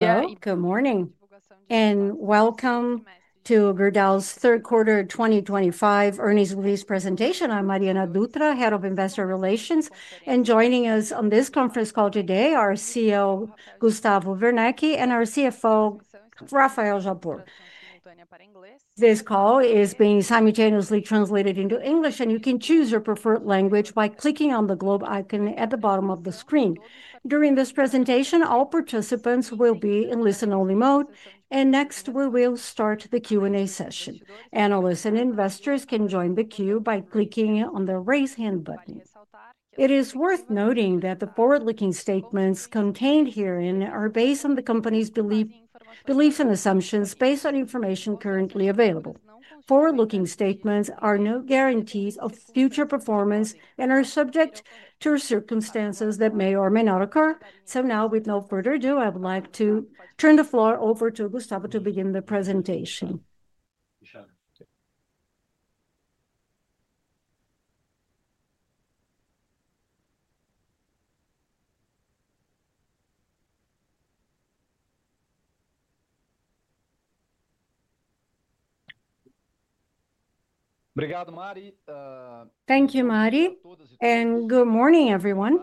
Good morning and welcome to Gerdau's Third Quarter 2025 Earnings Release Presentation. I'm Mariana Dutra, Head of Investor Relations, and joining us on this conference call today are CEO Gustavo Werneck and our CFO Rafael Japur. This call is being simultaneously translated into English, and you can choose your preferred language by clicking on the globe icon at the bottom of the screen. During this presentation, all participants will be in listen-only mode, and next we will start the Q&A session. Analysts and investors can join the queue by clicking on the raise hand button. It is worth noting that the forward-looking statements contained here are based on the company's beliefs and assumptions based on information currently available. Forward-looking statements are no guarantees of future performance and are subject to circumstances that may or may not occur. With no further ado, I would like to turn the floor over to Gustavo to begin the presentation. Obrigado, Mari. Thank you, Mari, and good morning, everyone.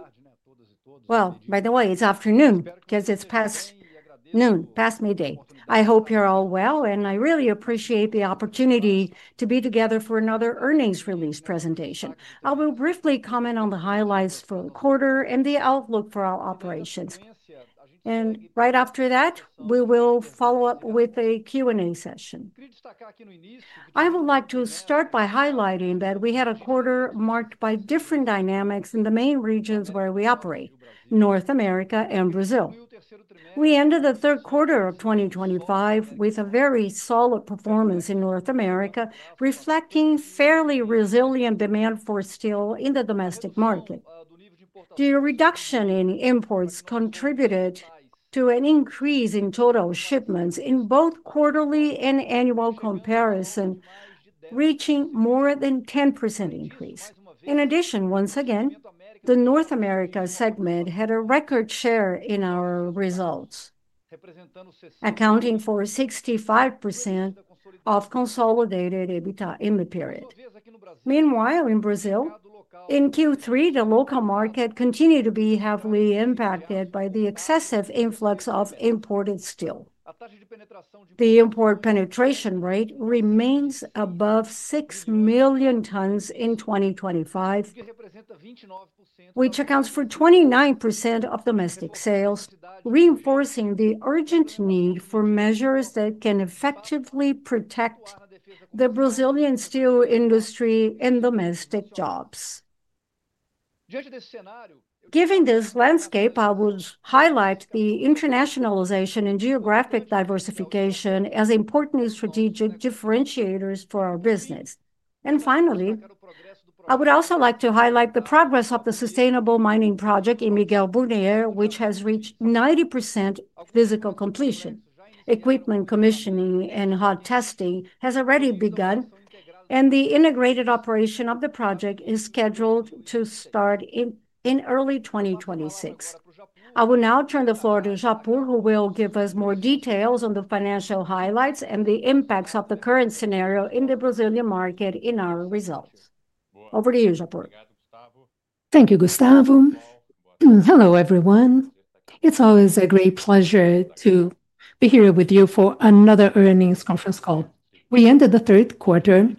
By the way, it's afternoon because it's past noon, past midday. I hope you're all well, and I really appreciate the opportunity to be together for another earnings release presentation. I will briefly comment on the highlights for the quarter and the outlook for our operations. Right after that, we will follow up with a Q&A session. I would like to start by highlighting that we had a quarter marked by different dynamics in the main regions where we operate: North America and Brazil. We ended the third quarter of 2025 with a very solid performance in North America, reflecting fairly resilient demand for steel in the domestic market. The reduction in imports contributed to an increase in total shipments in both quarterly and annual comparison, reaching more than a 10% increase. In addition, once again, the North America segment had a record share in our results, accounting for 65% of consolidated EBITDA in the period. Meanwhile, in Brazil, in Q3, the local market continued to be heavily impacted by the excessive influx of imported steel. The import penetration rate remains above 6 million tons in 2025, which accounts for 29% of domestic sales, reinforcing the urgent need for measures that can effectively protect the Brazilian steel industry and domestic jobs. Given this landscape, I would highlight the internationalization and geographic diversification as important strategic differentiators for our business. Finally, I would also like to highlight the progress of the sustainable mining project in Miguel Burnier, which has reached 90% physical completion. Equipment commissioning and hot testing has already begun, and the integrated operation of the project is scheduled to start in early 2026. I will now turn the floor to Japur, who will give us more details on the financial highlights and the impacts of the current scenario in the Brazilian market in our results. Over to you, Japur. Thank you, Gustavo. Hello, everyone. It's always a great pleasure to be here with you for another earnings conference call. We ended the third quarter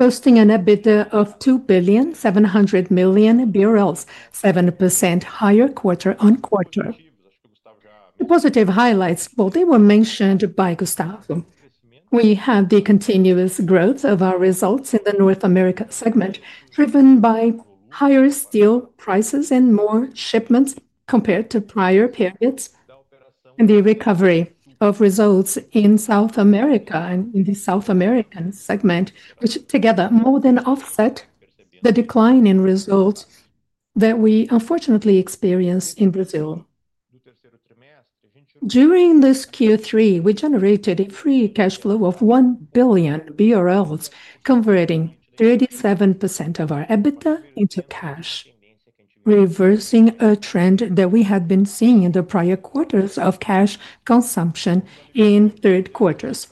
posting an EBITDA of 2.7 billion, 7% higher quarter-on-quarter. The positive highlights, they were mentioned by Gustavo. We have the continuous growth of our results in the North America segment, driven by higher steel prices and more shipments compared to prior periods, and the recovery of results in South America and in the South American segment, which together more than offset the decline in results that we unfortunately experienced in Brazil. During this Q3, we generated a free cash flow of 1 billion BRL, converting 37% of our EBITDA into cash. Reversing a trend that we had been seeing in the prior quarters of cash consumption in third quarters,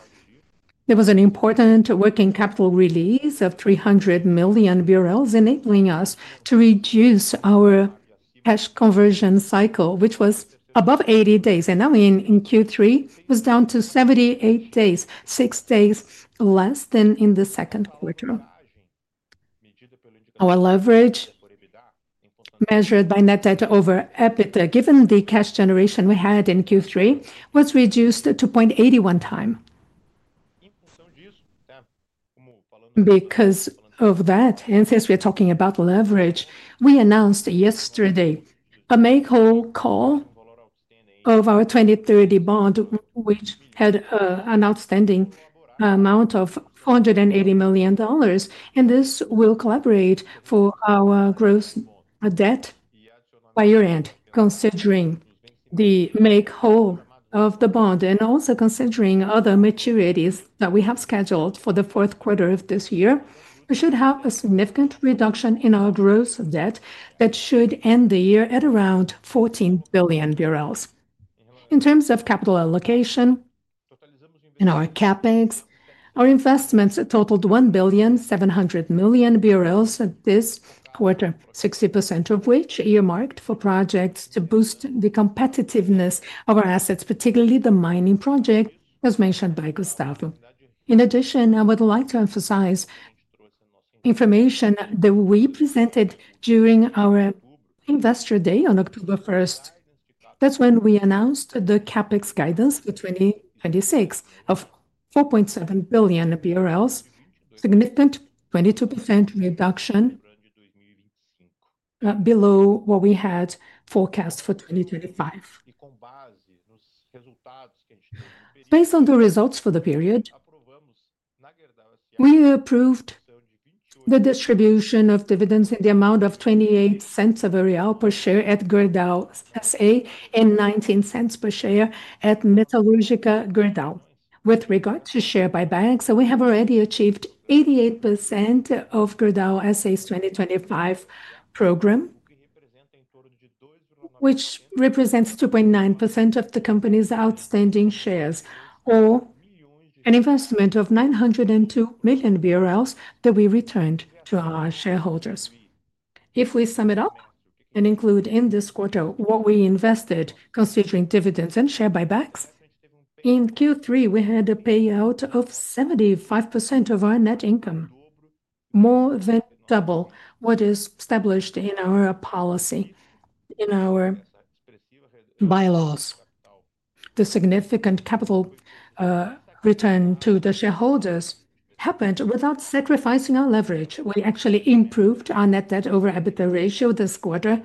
there was an important working capital release of 300 million BRL, enabling us to reduce our cash conversion cycle, which was above 80 days. In Q3, it was down to 78 days, six days less than in the second quarter. Our leverage, measured by net debt over EBITDA, given the cash generation we had in Q3, was reduced to 0.81x. Because of that, and since we are talking about leverage, we announced yesterday a make-whole call of our 2030 bond, which had an outstanding amount of $480 million, and this will collaborate for our gross debt by year-end. Considering the make-whole of the bond and also considering other maturities that we have scheduled for the fourth quarter of this year, we should have a significant reduction in our gross debt that should end the year at around BRL 14 billion. In terms of capital allocation, in our CapEx, our investments totaled 1.7 billion this quarter, 60% of which earmarked for projects to boost the competitiveness of our assets, particularly the mining project as mentioned by Gustavo. In addition, I would like to emphasize information that we presented during our Investor Day on October 1st. That's when we announced the CapEx guidance for 2026 of 4.7 billion BRL, a significant 22% reduction below what we had forecast for 2025. Based on the results for the period, we approved the distribution of dividends in the amount of 0.28 per share at Gerdau S.A. and 0.19 per share at Metalurgica Gerdau. With regard to share buybacks, we have already achieved 88% of Gerdau S.A.'s 2025 program, which represents 2.9% of the company's outstanding shares, or an investment of 902 million BRL that we returned to our shareholders. If we sum it up and include in this quarter what we invested, considering dividends and share buybacks, in Q3, we had a payout of 75% of our net income, more than double what is established in our policy, in our by-laws. The significant capital. Return to the shareholders happened without sacrificing our leverage. We actually improved our net debt over EBITDA ratio this quarter.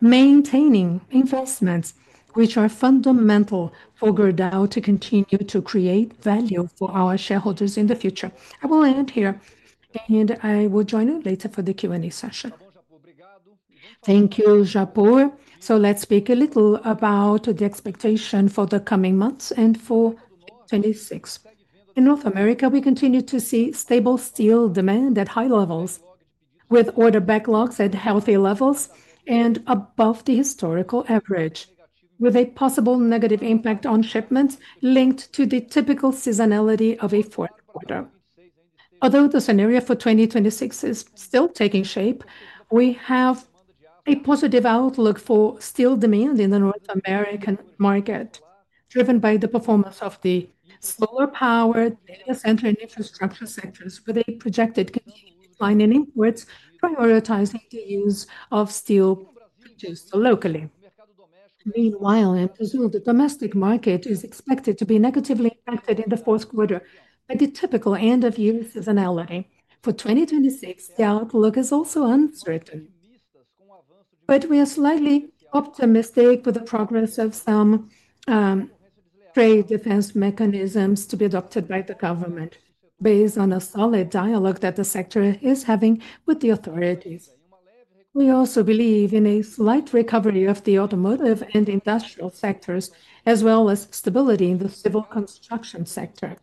Maintaining investments, which are fundamental for Gerdau to continue to create value for our shareholders in the future. I will end here, and I will join you later for the Q&A session. Thank you, Japur. Let's speak a little about the expectation for the coming months and for 2026. In North America, we continue to see stable steel demand at high levels, with order backlogs at healthy levels and above the historical average, with a possible negative impact on shipments linked to the typical seasonality of a fourth quarter. Although the scenario for 2026 is still taking shape, we have a positive outlook for steel demand in the North American market, driven by the performance of the solar power, data center, and infrastructure sectors, with a projected continued decline in imports prioritizing the use of steel produced locally. Meanwhile, in Brazil, the domestic market is expected to be negatively impacted in the fourth quarter, but the typical end of year seasonality for 2026, the outlook is also uncertain. We are slightly optimistic with the progress of some trade defense mechanisms to be adopted by the government based on a solid dialogue that the sector is having with the authorities. We also believe in a slight recovery of the automotive and industrial sectors, as well as stability in the civil construction sector.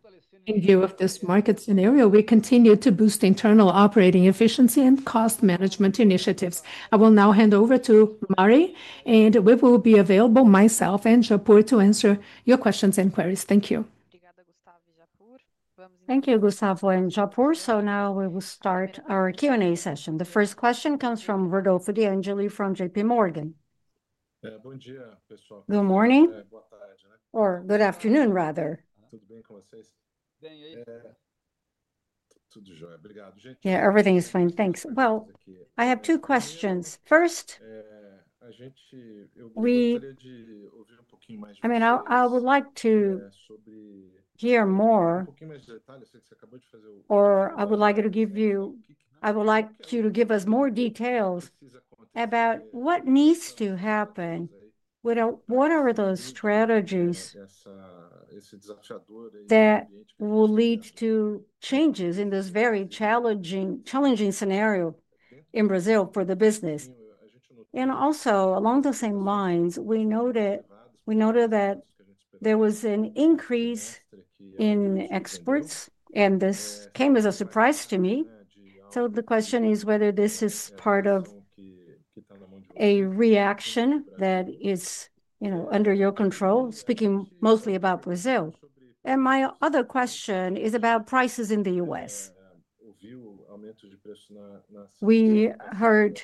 In view of this market scenario, we continue to boost internal operating efficiency and cost management initiatives. I will now hand over to Mari, and we will be available, myself and Japur, to answer your questions and queries. Thank you. Thank you, Gustavo and Japur. Now we will start our Q&A session. The first question comes from Rodolfo De Angele, from JPMorgan. Good morning, everyone. Good morning. Boa tarde. Good afternoon, rather. Tudo bem com vocês? Tudo jóia. Obrigado, gente. Yeah, everything is fine. Thanks. I have two questions. First. A gente. I would like to hear more. Pouquinho mais de detalhes. I think you just asked the. I would like to give you. I would like you to give us more details about what needs to happen. What are those strategies that will lead to changes in this very challenging scenario in Brazil for the business. Also, along the same lines, we noted that there was an increase in exports, and this came as a surprise to me. The question is whether this is part of a reaction that is under your control, speaking mostly about Brazil. My other question is about prices in the U.S. We heard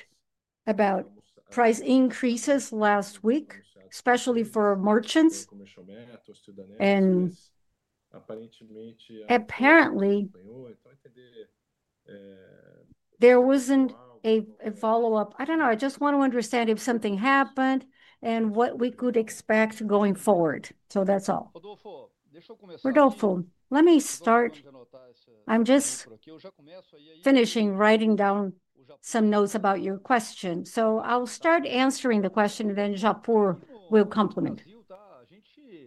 about price increases last week, especially for merchants. Apparently, there wasn't a follow-up. I don't know. I just want to understand if something happened and what we could expect going forward. That's all. Rodolfo, let me start. Finishing writing down some notes about your question. I'll start answering the question, and then Japur will complement.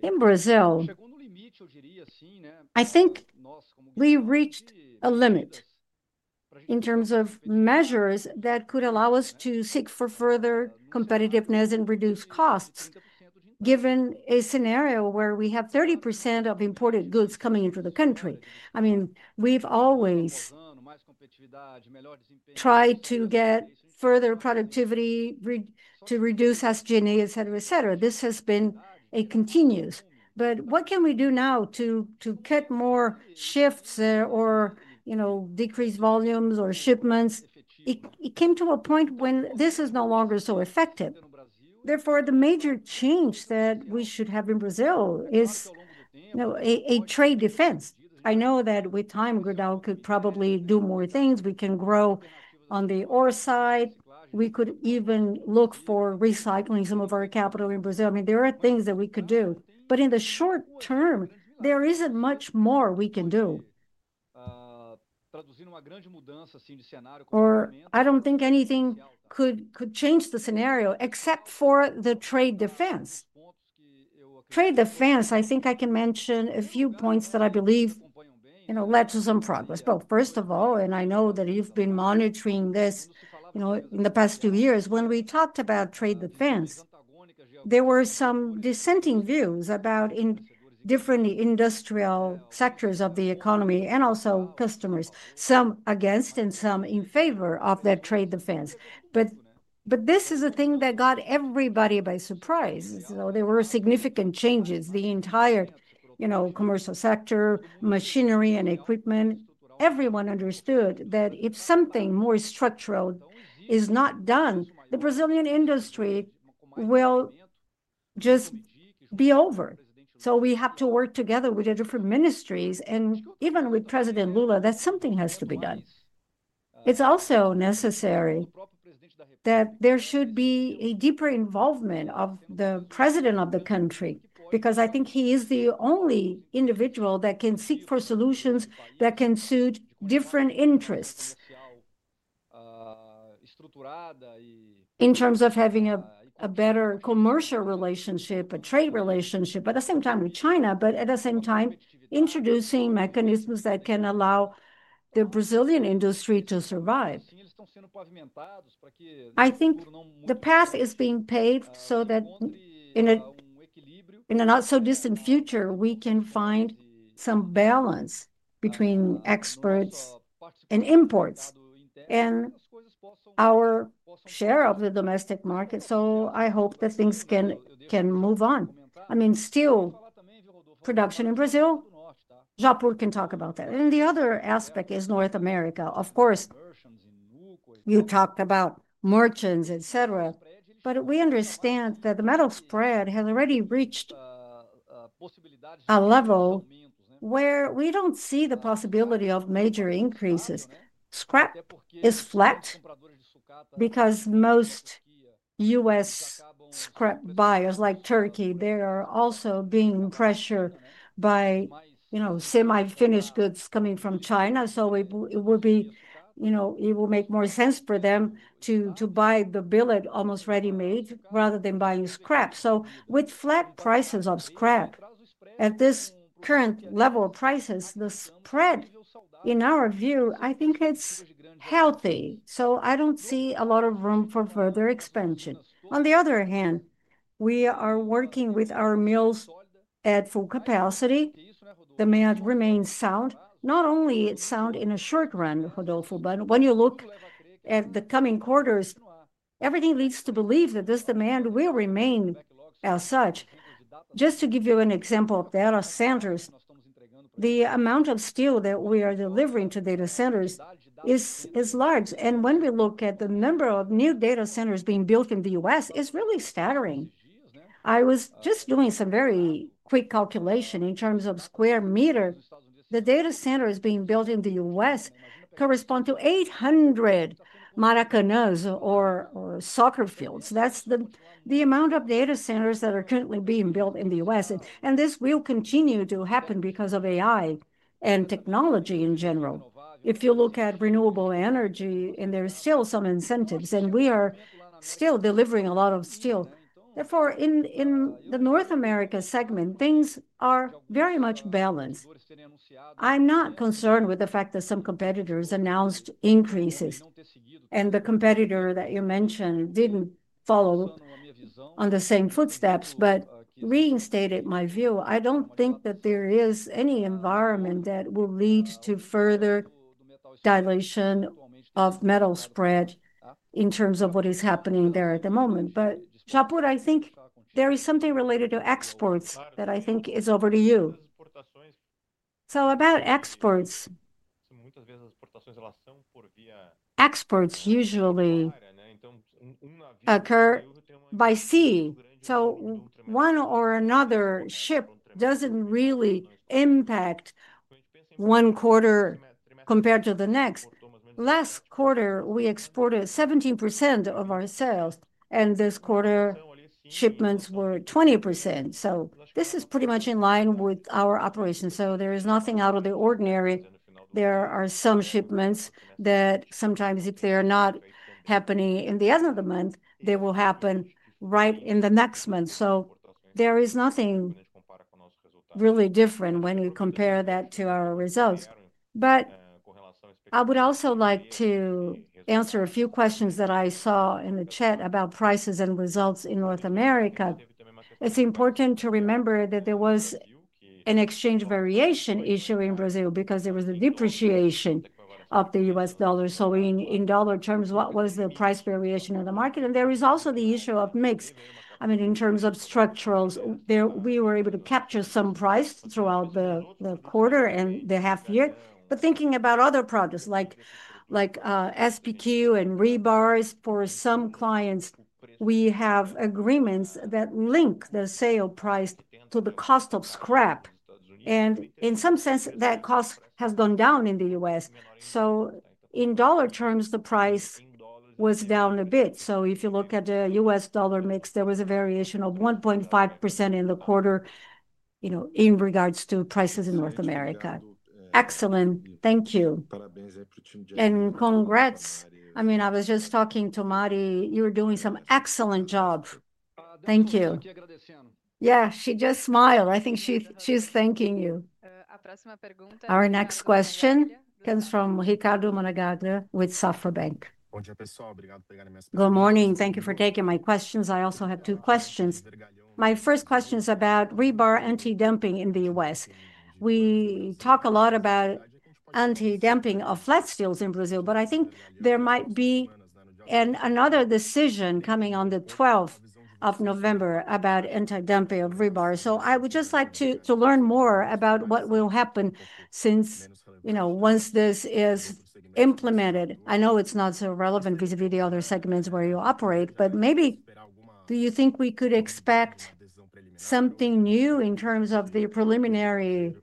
In Brazil, I think we reached a limit in terms of measures that could allow us to seek further competitiveness and reduce costs, given a scenario where we have 30% of imported goods coming into the country. We've always tried to get further productivity, to reduce SG&E, et cetera, et cetera. This has been continuous. What can we do now to cut more shifts or decrease volumes or shipments? It came to a point when this is no longer so effective. Therefore, the major change that we should have in Brazil is a trade defense. I know that with time, Gerdau could probably do more things. We can grow on the ore side. We could even look for recycling some of our capital in Brazil. There are things that we could do. In the short term, there isn't much more we can do. I don't think anything could change the scenario, except for the trade defense. Trade defense, I think I can mention a few points that I believe led to some progress. First of all, and I know that you've been monitoring this in the past few years, when we talked about trade defense, there were some dissenting views about different industrial sectors of the economy and also customers, some against and some in favor of that trade defense. This is a thing that got everybody by surprise. There were significant changes. The entire commercial sector, machinery, and equipment, everyone understood that if something more structural is not done, the Brazilian industry will just be over. We have to work together with the different ministries, and even with President Lula, that something has to be done. It's also necessary that there should be a deeper involvement of the President of the country, because I think he is the only individual that can seek for solutions that can suit different interests. In terms of having a better commercial relationship, a trade relationship, but at the same time with China, but at the same time introducing mechanisms that can allow the Brazilian industry to survive. I think the path is being paved so that in a not-so-distant future, we can find some balance between exports and imports and our share of the domestic market. I hope that things can move on. I mean, still, production in Brazil. Japur can talk about that. The other aspect is North America. Of course, you talked about merchant bars, et cetera, but we understand that the metal spread has already reached a level where we don't see the possibility of major increases. Scrap is flat because most U.S. scrap buyers, like Turkey, are also being pressured by semi-finished goods coming from China. It will make more sense for them to buy the billet almost ready-made rather than buying scrap. With flat prices of scrap at this current level of prices, the spread, in our view, I think it's healthy. I don't see a lot of room for further expansion. On the other hand, we are working with our mills at full capacity. Demand remains sound. Not only is it sound in the short run, Rodolfo, but when you look at the coming quarters, everything leads to believe that this demand will remain as such. Just to give you an example of datacenters, the amount of steel that we are delivering to datacenters is large. When we look at the number of new datacenters being built in the U.S., it's really staggering. I was just doing some very quick calculation in terms of square meters. The datacenters being built in the U.S. correspond to 800 Maracanãs or soccer fields. That's the amount of datacenters that are currently being built in the U.S., and this will continue to happen because of AI and technology in general. If you look at renewable energy, and there are still some incentives, and we are still delivering a lot of steel. Therefore, in the North America segment, things are very much balanced. I'm not concerned with the fact that some competitors announced increases, and the competitor that you mentioned didn't follow. On the same footsteps, but reinstated my view. I don't think that there is any environment that will lead to further dilation of metal spread in terms of what is happening there at the moment. Japur, I think there is something related to exports that I think is over to you. About exports, exports usually occur by sea. One or another ship doesn't really impact one quarter compared to the next. Last quarter, we exported 17% of our sales, and this quarter, shipments were 20%. This is pretty much in line with our operations. There is nothing out of the ordinary. There are some shipments that sometimes, if they are not happening in the end of the month, they will happen right in the next month. There is nothing really different when you compare that to our results. I would also like to answer a few questions that I saw in the chat about prices and results in North America. It's important to remember that there was an exchange variation issue in Brazil because there was a depreciation of the U.S. dollar. In dollar terms, what was the price variation in the market? There is also the issue of mix. In terms of structurals, we were able to capture some price throughout the quarter and the half year. Thinking about other products like SBQ and rebars for some clients, we have agreements that link the sale price to the cost of scrap. In some sense, that cost has gone down in the U.S. In dollar terms, the price was down a bit. If you look at the U.S. dollar mix, there was a variation of 1.5% in the quarter in regards to prices in North America. Excellent. Thank you. Congrats. I mean, I was just talking to Mari. You were doing some excellent job. Thank you. Yeah, she just smiled. I think she's thanking you. Our next question comes from Ricardo Monegaglia with Safra Bank. Good morning. Thank you for taking my questions. I also have two questions. My first question is about rebar anti-dumping in the U.S. We talk a lot about anti-dumping of flat steels in Brazil, but I think there might be another decision coming on the 12th of November about anti-dumping of rebar. I would just like to learn more about what will happen since once this is implemented. I know it's not so relevant vis-à-vis the other segments where you operate, but maybe do you think we could expect something new in terms of the preliminary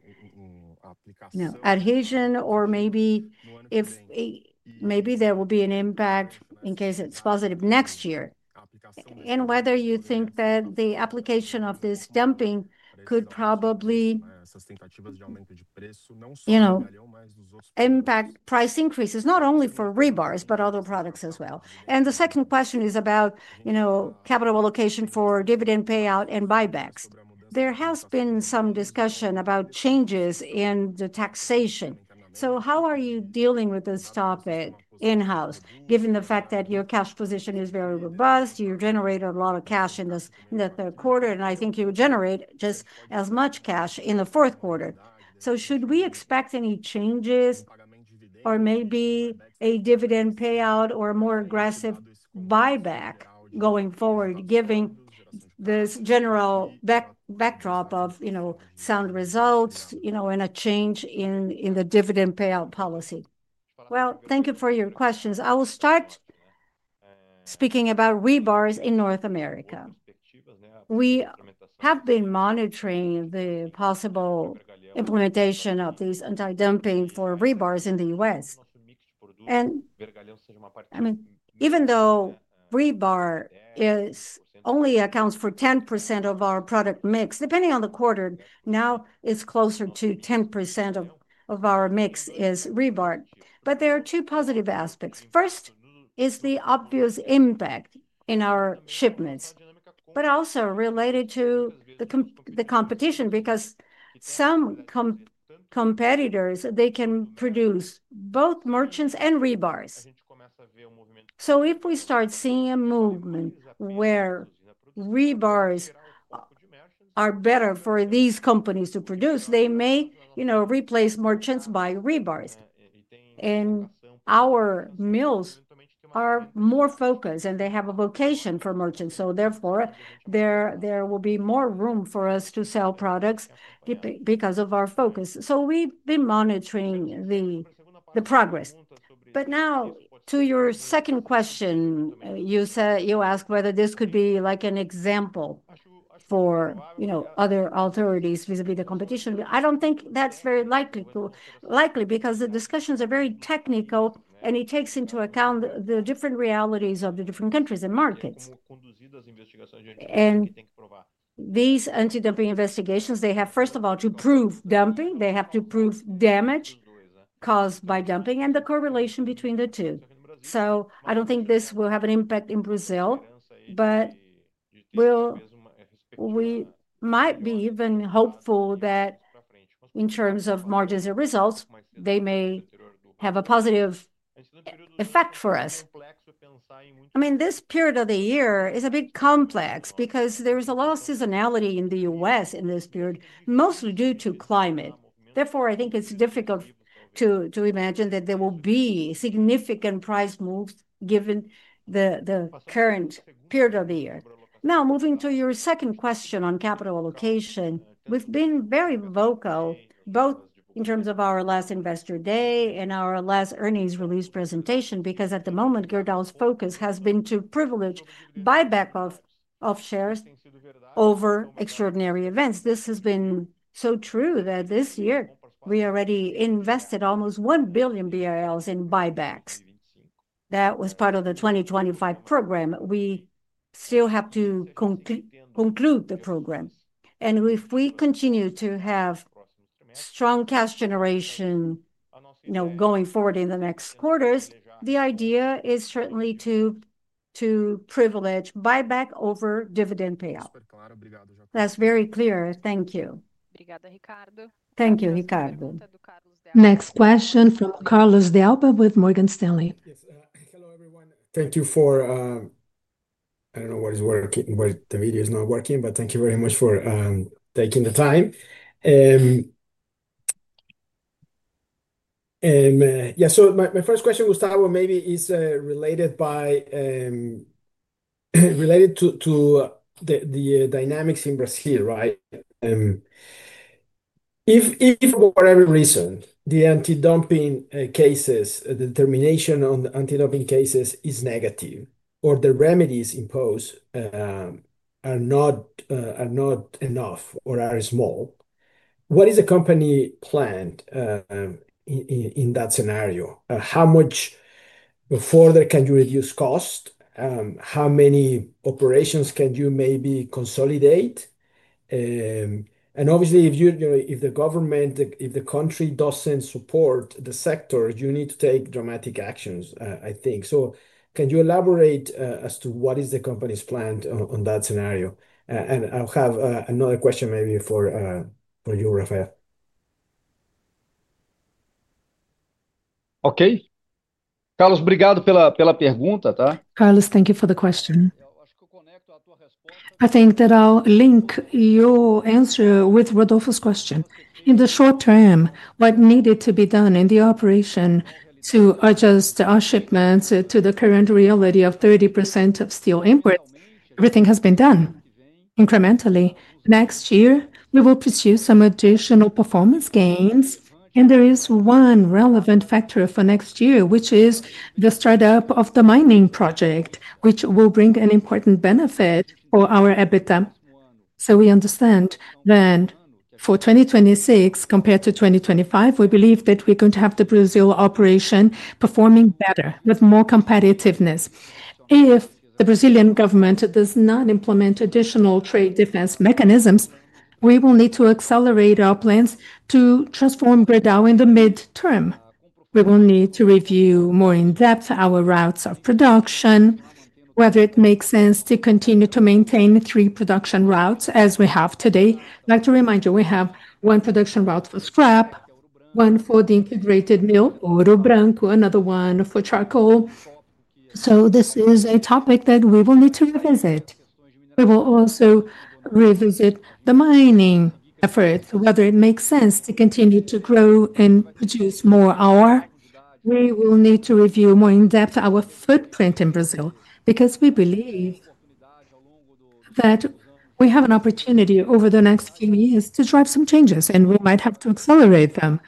adhesion, or maybe there will be an impact in case it's positive next year? Whether you think that the application of this dumping could probably impact price increases not only for rebars, but other products as well. The second question is about capital allocation for dividend payout and buybacks. There has been some discussion about changes in the taxation. How are you dealing with this topic in-house, given the fact that your cash position is very robust? You generated a lot of cash in the third quarter, and I think you would generate just as much cash in the fourth quarter. Should we expect any changes, or maybe a dividend payout or a more aggressive buyback going forward, given this general backdrop of sound results and a change in the dividend payout policy? Thank you for your questions. I will start speaking about rebars in North America. We have been monitoring the possible implementation of this anti-dumping for rebars in the U.S. Even though rebar only accounts for 10% of our product mix, depending on the quarter, now it's closer to 10% of our mix is rebar. There are two positive aspects. First is the obvious impact in our shipments, but also related to the competition, because some competitors can produce both merchants and rebars. If we start seeing a movement where rebars are better for these companies to produce, they may replace merchants by rebars. Our mills are more focused, and they have a vocation for merchants. Therefore, there will be more room for us to sell products because of our focus. We have been monitoring the progress. To your second question, you asked whether this could be like an example for other authorities vis-à-vis the competition. I don't think that's very likely, because the discussions are very technical, and it takes into account the different realities of the different countries and markets. These anti-dumping investigations have, first of all, to prove dumping. They have to prove damage caused by dumping and the correlation between the two. I don't think this will have an impact in Brazil, but we might be even hopeful that in terms of margins and results, they may have a positive effect for us. This period of the year is a bit complex because there is a lot of seasonality in the U.S. in this period, mostly due to climate. Therefore, I think it's difficult to imagine that there will be significant price moves given the current period of the year. Now, moving to your second question on capital allocation, we've been very vocal both in terms of our last Investor Day and our last earnings release presentation, because at the moment, Gerdau's focus has been to privilege buyback of shares over extraordinary events. This has been so true that this year we already invested almost 1 billion BRL in buybacks. That was part of the 2025 program. We still have to conclude the program, and if we continue to have strong cash generation going forward in the next quarters, the idea is certainly to privilege buyback over dividend payout. That's very clear. Thank you. Thank you, Ricardo. Next question from Carlos de Alba with Morgan Stanley. Hello, everyone. Thank you for—I don't know what is working, where the video is not working, but thank you very much for taking the time. My first question, Gustavo, maybe is related to the dynamics in Brazil, right? If, for whatever reason, the anti-dumping cases, the determination on the anti-dumping cases is negative, or the remedies imposed are not enough or are small, what is the company plan in that scenario? How much further can you reduce cost? How many operations can you maybe consolidate? Obviously, if the government, if the country doesn't support the sector, you need to take dramatic actions, I think. Can you elaborate as to what is the company's plan on that scenario? I'll have another question maybe for you, Rafael. Okay. Carlos, obrigado pela pergunta. Carlos, thank you for the question. I think that I'll link your answer with Rodolfo's question. In the short term, what needed to be done in the operation to adjust our shipments to the current reality of 30% of steel imports, everything has been done incrementally. Next year, we will pursue some additional performance gains. There is one relevant factor for next year, which is the start-up of the mining project, which will bring an important benefit for our EBITDA. We understand that for 2026, compared to 2025, we believe that we're going to have the Brazil operation performing better, with more competitiveness. If the Brazilian government does not implement additional trade defense mechanisms, we will need to accelerate our plans to transform Gerdau in the midterm. We will need to review more in depth our routes of production, whether it makes sense to continue to maintain three production routes as we have today. I'd like to remind you, we have one production route for scrap, one for the integrated mill, Ouro Branco, another one for charcoal. This is a topic that we will need to revisit. We will also revisit the mining efforts, whether it makes sense to continue to grow and produce more ore. We will need to review more in depth our footprint in Brazil because we believe that we have an opportunity over the next few years to drive some changes, and we might have to accelerate them.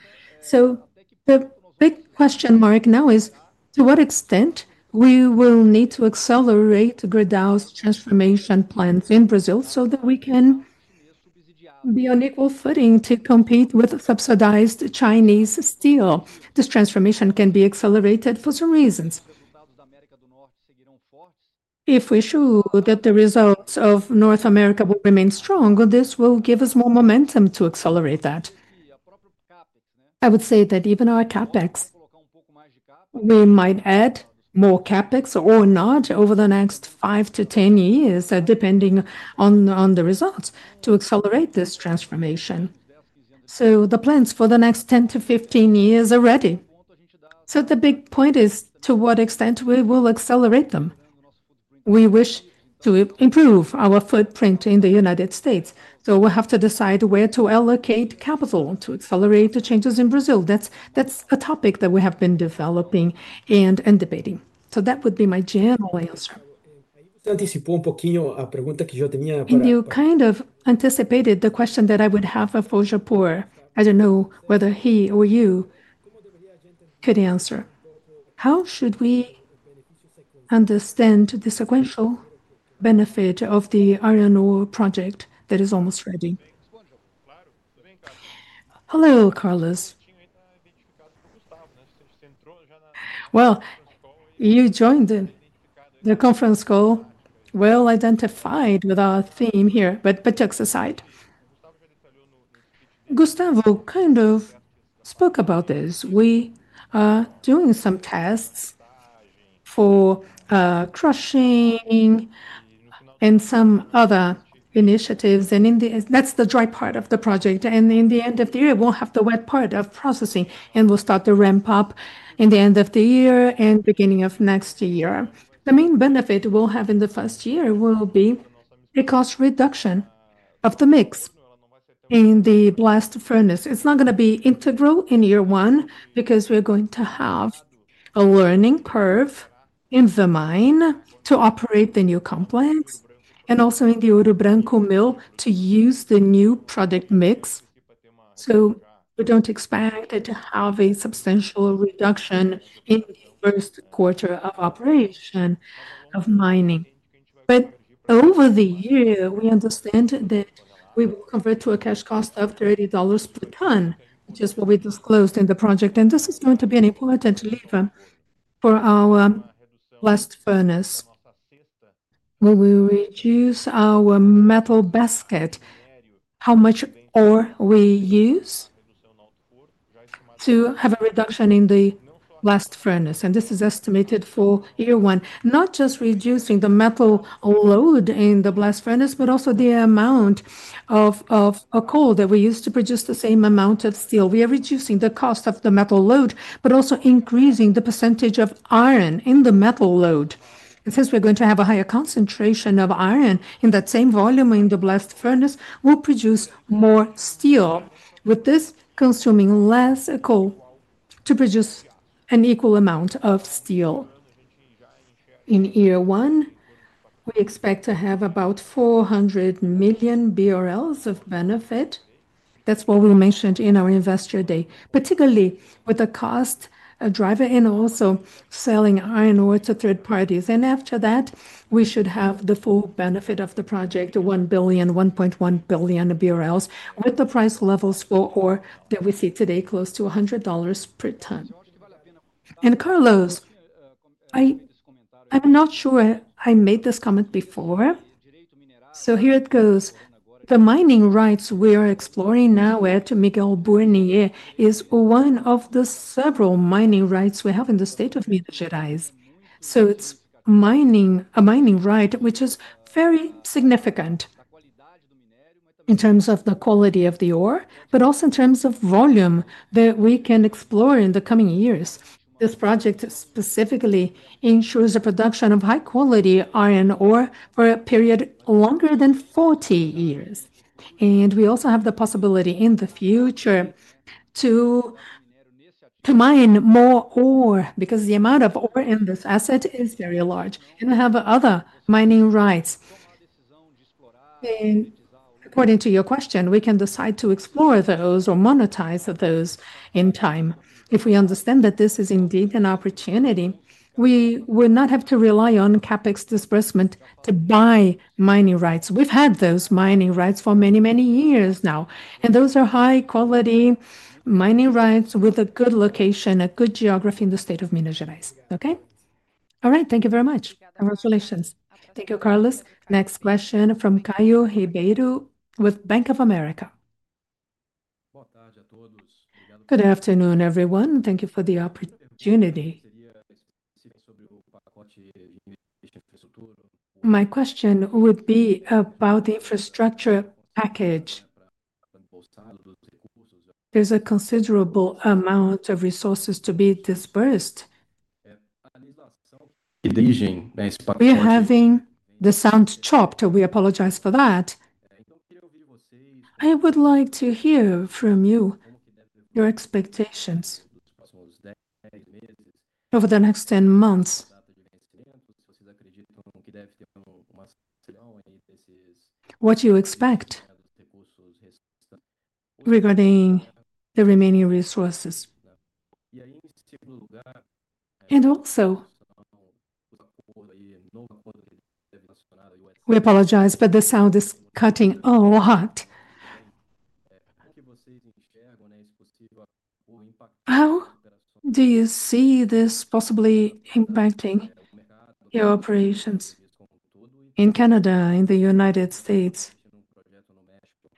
The big question mark now is to what extent we will need to accelerate Gerdau's transformation plans in Brazil so that we can be on equal footing to compete with subsidized Chinese steel. This transformation can be accelerated for some reasons. If we show that the results of North America will remain strong, this will give us more momentum to accelerate that. I would say that even our CapEx, we might add more CapEx or not over the next 5 to 10 years, depending on the results, to accelerate this transformation. The plans for the next 10 to 15 years are ready. The big point is to what extent we will accelerate them. We wish to improve our footprint in the United States. We have to decide where to allocate capital to accelerate the changes in Brazil. That's a topic that we have been developing and debating. That would be my general answer. You kind of anticipated the question that I would have for Japur. I don't know whether he or you could answer. How should we understand the sequential benefit of the iron ore project that is almost ready? Hello, Carlos. You joined the conference call. Well identified with our theme here, but jokes aside. Gustavo kind of spoke about this. We are doing some tests for crushing and some other initiatives, and that's the dry part of the project. In the end of the year, we'll have the wet part of processing, and we'll start the ramp-up in the end of the year and beginning of next year. The main benefit we'll have in the first year will be the cost reduction of the mix in the blast furnace. It's not going to be integral in year one because we're going to have a learning curve in the mine to operate the new complex and also in the Ouro Branco mill to use the new product mix. We don't expect to have a substantial reduction in the first quarter of operation of mining, but over the year, we understand that we will convert to a cash cost of $30 per ton, which is what we disclosed in the project. This is going to be an important lever for our blast furnace. We will reduce our metal basket, how much ore we use, to have a reduction in the blast furnace. This is estimated for year one, not just reducing the metal load in the blast furnace, but also the amount of coal that we use to produce the same amount of steel. We are reducing the cost of the metal load, but also increasing the percentage of iron in the metal load. Since we're going to have a higher concentration of iron in that same volume in the blast furnace, we'll produce more steel, with this consuming less coal to produce an equal amount of steel. In year one, we expect to have about 400 million BRL of benefit. That's what we mentioned in our Investor Day, particularly with the cost driver and also selling iron ore to third parties. After that, we should have the full benefit of the project, 1 billion, 1.1 billion BRL, with the price levels for ore that we see today, close to $100 per ton. Carlos, I'm not sure I made this comment before. Here it goes. The mining rights we are exploring now at Miguel Burnier is one of the several mining rights we have in the state of Minas Gerais. It is a mining right which is very significant in terms of the quality of the ore, but also in terms of volume that we can explore in the coming years. This project specifically ensures the production of high-quality iron ore for a period longer than 40 years. We also have the possibility in the future to mine more ore because the amount of ore in this asset is very large. We have other mining rights, and according to your question, we can decide to explore those or monetize those in time. If we understand that this is indeed an opportunity, we will not have to rely on CapEx disbursement to buy mining rights. We've had those mining rights for many, many years now. Those are high-quality mining rights with a good location, a good geography in the state of Minas Gerais. Thank you very much. Congratulations. Thank you, Carlos. Next question from Caio Ribeiro with Bank of America. Boa tarde a todos. Good afternoon, everyone. Thank you for the opportunity. My question would be about the infrastructure package. There's a considerable amount of resources to be disbursed. We're having the sound chopped. We apologize for that. I would like to hear from you your expectations over the next 10 months. What do you expect regarding the remaining resources. We apologize, but the sound is cutting a lot. How do you see this possibly impacting your operations in Canada, in the United States,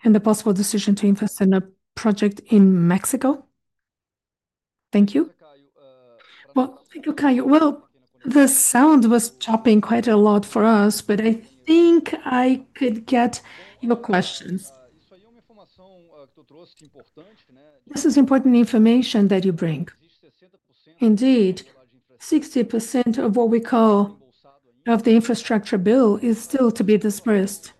and the possible decision to invest in a project in Mexico? Thank you. Thank you, Caio. The sound was chopping quite a lot for us, but I think I could get your questions. This is important information that you bring. Indeed, 60% of what we call the infrastructure bill is still to be disbursed.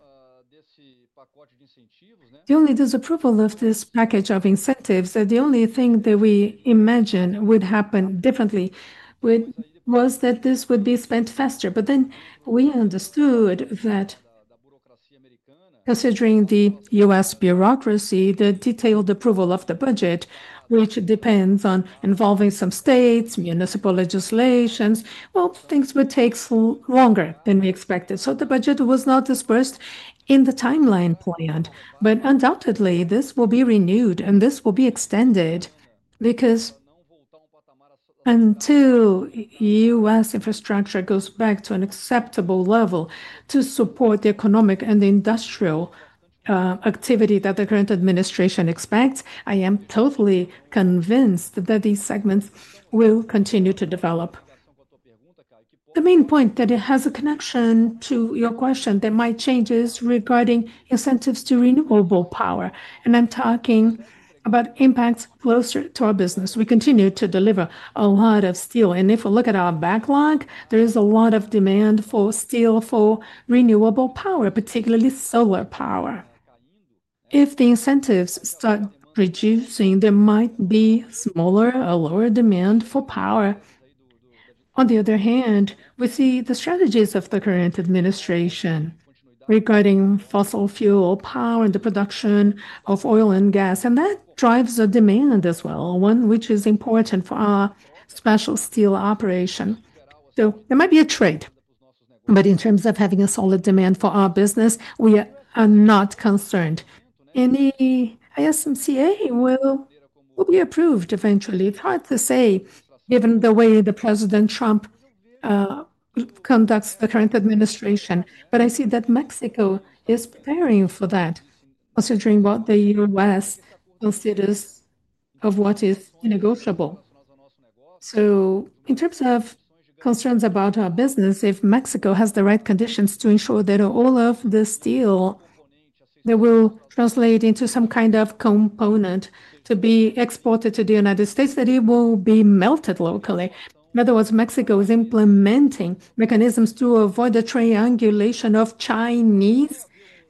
The only disapproval of this package of incentives, the only thing that we imagine would happen differently, was that this would be spent faster. We understood that, considering the U.S. bureaucracy, the detailed approval of the budget, which depends on involving some states, municipal legislations, things would take longer than we expected. The budget was not disbursed in the timeline planned. Undoubtedly, this will be renewed and this will be extended because until U.S. infrastructure goes back to an acceptable level to support the economic and the industrial activity that the current administration expects, I am totally convinced that these segments will continue to develop. The main point that has a connection to your question, there might be changes regarding incentives to renewable power. I'm talking about impacts closer to our business. We continue to deliver a lot of steel, and if we look at our backlog, there is a lot of demand for steel for renewable power, particularly solar power. If the incentives start reducing, there might be a lower demand for power. On the other hand, we see the strategies of the current administration regarding fossil fuel power and the production of oil and gas, and that drives a demand as well, one which is important for our special steel operation. There might be a trade, but in terms of having a solid demand for our business, we are not concerned. Any USMCA will be approved eventually. It's hard to say given the way President Trump conducts the current administration. I see that Mexico is preparing for that, considering what the U.S. considers of what is negotiable. In terms of concerns about our business, if Mexico has the right conditions to ensure that all of the steel that will translate into some kind of component to be exported to the United States, that it will be melted locally. In other words, Mexico is implementing mechanisms to avoid the triangulation of Chinese.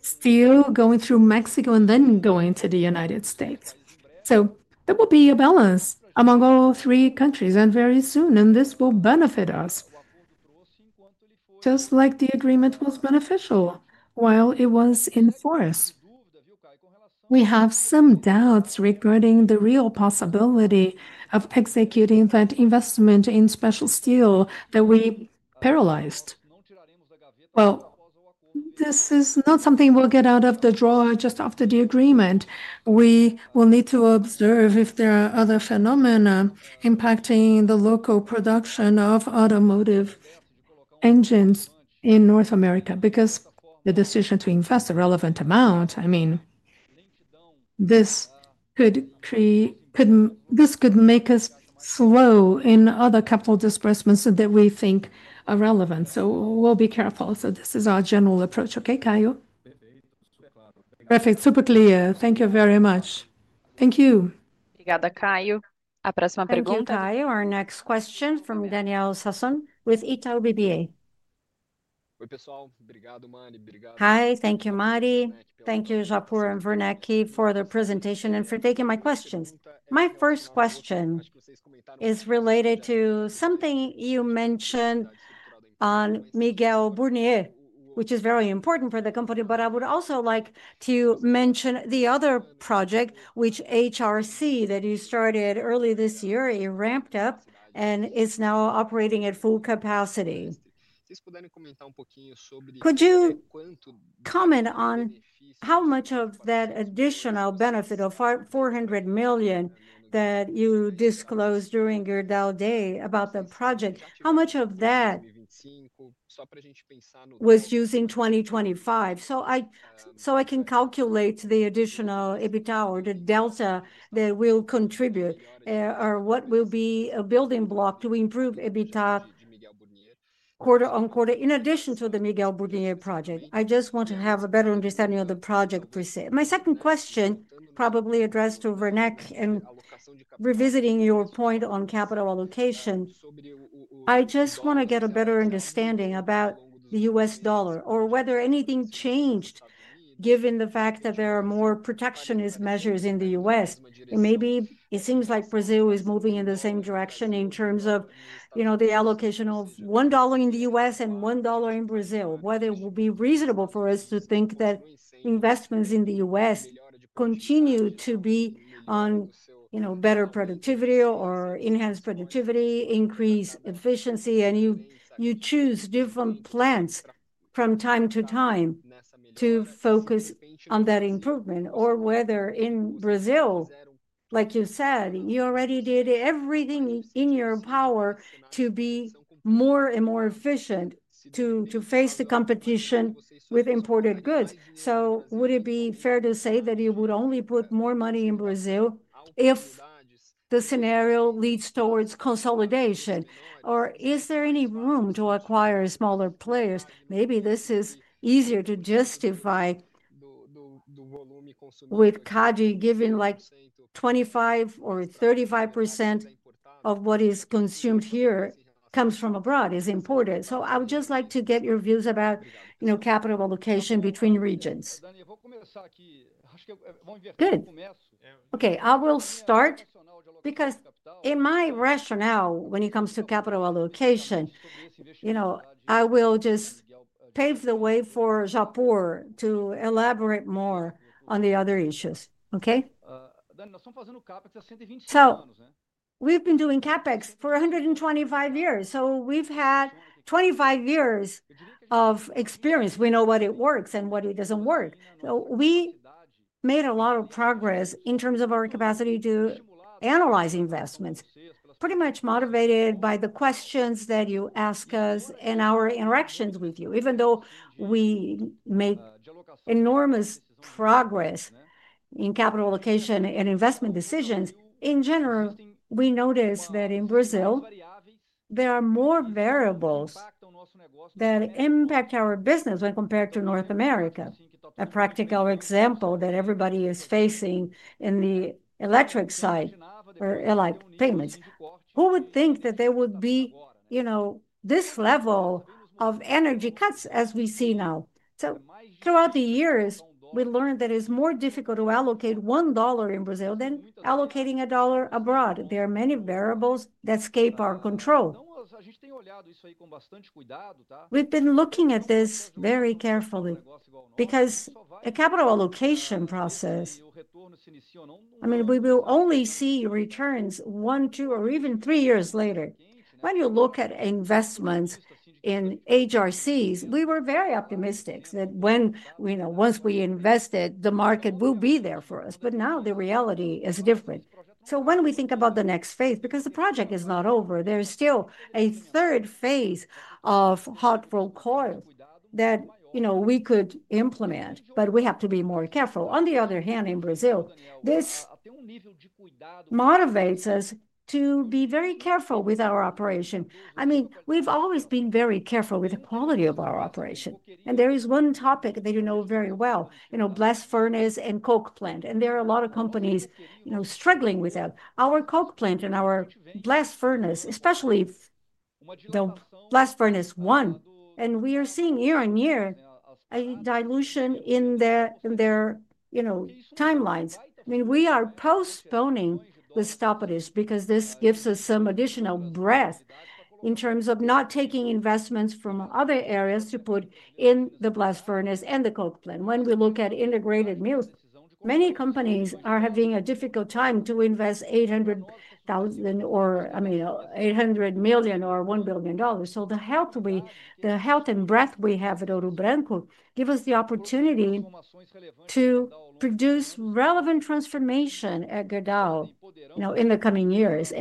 Steel going through Mexico and then going to the United States. That will be a balance among all three countries, and very soon, this will benefit us, just like the agreement was beneficial while it was in force. We have some doubts regarding the real possibility of executing that investment in special steel that we paralyzed. This is not something we'll get out of the drawer just after the agreement. We will need to observe if there are other phenomena impacting the local production of automotive engines in North America because the decision to invest a relevant amount, I mean, this could make us slow in other capital disbursements that we think are relevant. We will be careful. This is our general approach. Okay, Caio? Perfect. Super clear. Thank you very much. Thank you. Obrigada, Caio. A próxima pergunta. Thank you, Caio. Our next question from Daniel Sasson with Itaú BBA. Oi, pessoal. Obrigado, Mari. Hi. Thank you, Mari. Thank you, Japur and Werneck, for the presentation and for taking my questions. My first question is related to something you mentioned on Miguel Burnier, which is very important for the company. I would also like to mention the other project, which HRC that you started early this year, it ramped up and is now operating at full capacity. Could you comment on how much of that additional benefit of 400 million that you disclosed during Gerdau Day about the project, how much of that was used in 2025? I can calculate the additional EBITDA or the delta that will contribute or what will be a building block to improve EBITDA quarter-on-quarter in addition to the Miguel Burnier project. I just want to have a better understanding of the project per se. My second question, probably addressed to Werneck and revisiting your point on capital allocation. I just want to get a better understanding about the U.S. dollar or whether anything changed given the fact that there are more protectionist measures in the U.S. and maybe it seems like Brazil is moving in the same direction in terms of the allocation of $1 in the U.S. and $1 in Brazil, whether it will be reasonable for us to think that investments in the U.S. Continue to be on better productivity or enhanced productivity, increase efficiency, and you choose different plants from time to time to focus on that improvement, or whether in Brazil, like you said, you already did everything in your power to be more and more efficient to face the competition with imported goods. Would it be fair to say that you would only put more money in Brazil if the scenario leads towards consolidation, or is there any room to acquire smaller players? Maybe this is easier to justify. With CADI giving like 25% or 35% of what is consumed here comes from abroad, is imported. I would just like to get your views about capital allocation between regions. Okay, I will start. In my rationale, when it comes to capital allocation, I will just pave the way for Japur to elaborate more on the other issues. We've been doing CapEx for 125 years. We've had 25 years of experience. We know what works and what doesn't work. We made a lot of progress in terms of our capacity to analyze investments, pretty much motivated by the questions that you ask us and our interactions with you. Even though we make enormous progress in capital allocation and investment decisions, in general, we notice that in Brazil there are more variables that impact our business when compared to North America. A practical example that everybody is facing in the electric site or electric payments. Who would think that there would be this level of energy cuts as we see now? Throughout the years, we learned that it's more difficult to allocate $1 in Brazil than allocating a dollar abroad. There are many variables that escape our control. We've been looking at this very carefully because the capital allocation process, I mean, we will only see returns one, two, or even three years later. When you look at investments in HRCs, we were very optimistic that once we invested, the market will be there for us. Now the reality is different. When we think about the next phase, because the project is not over, there's still a third phase of hot-rolled coil that we could implement, but we have to be more careful. On the other hand, in Brazil, this motivates us to be very careful with our operation. We've always been very careful with the quality of our operation. There is one topic that you know very well, Blast Furnace and Coke Plant. There are a lot of companies struggling with that. Our Coke Plant and our Blast Furnace, especially the Blast Furnace 1, and we are seeing year-on-year a dilution in their timelines. I mean, we are postponing the stoppages because this gives us some additional breadth in terms of not taking investments from other areas to put in the Blast Furnace and the Coke Plant. When we look at integrated mills, many companies are having a difficult time to invest $800 million or $1 billion. The health and breadth we have at Ouro Branco gives us the opportunity to produce relevant transformation at Gerdau in the coming years.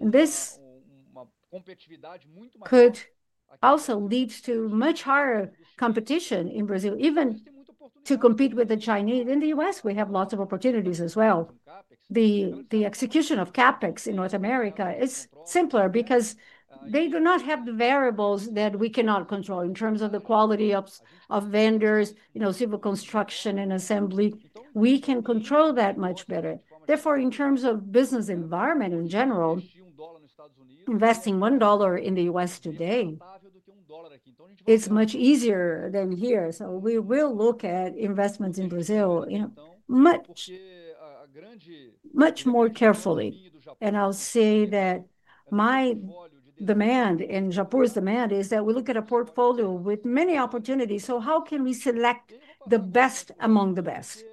This could also lead to much higher competition in Brazil, even to compete with the Chinese. In the U.S., we have lots of opportunities as well. The execution of CapEx in North America is simpler because they do not have the variables that we cannot control in terms of the quality of vendors, civil construction, and assembly. We can control that much better. Therefore, in terms of business environment in general, investing $1 in the U.S. today is much easier than here. We will look at investments in Brazil much more carefully. I'll say that my demand and Japur's demand is that we look at a portfolio with many opportunities. How can we select the best among the best?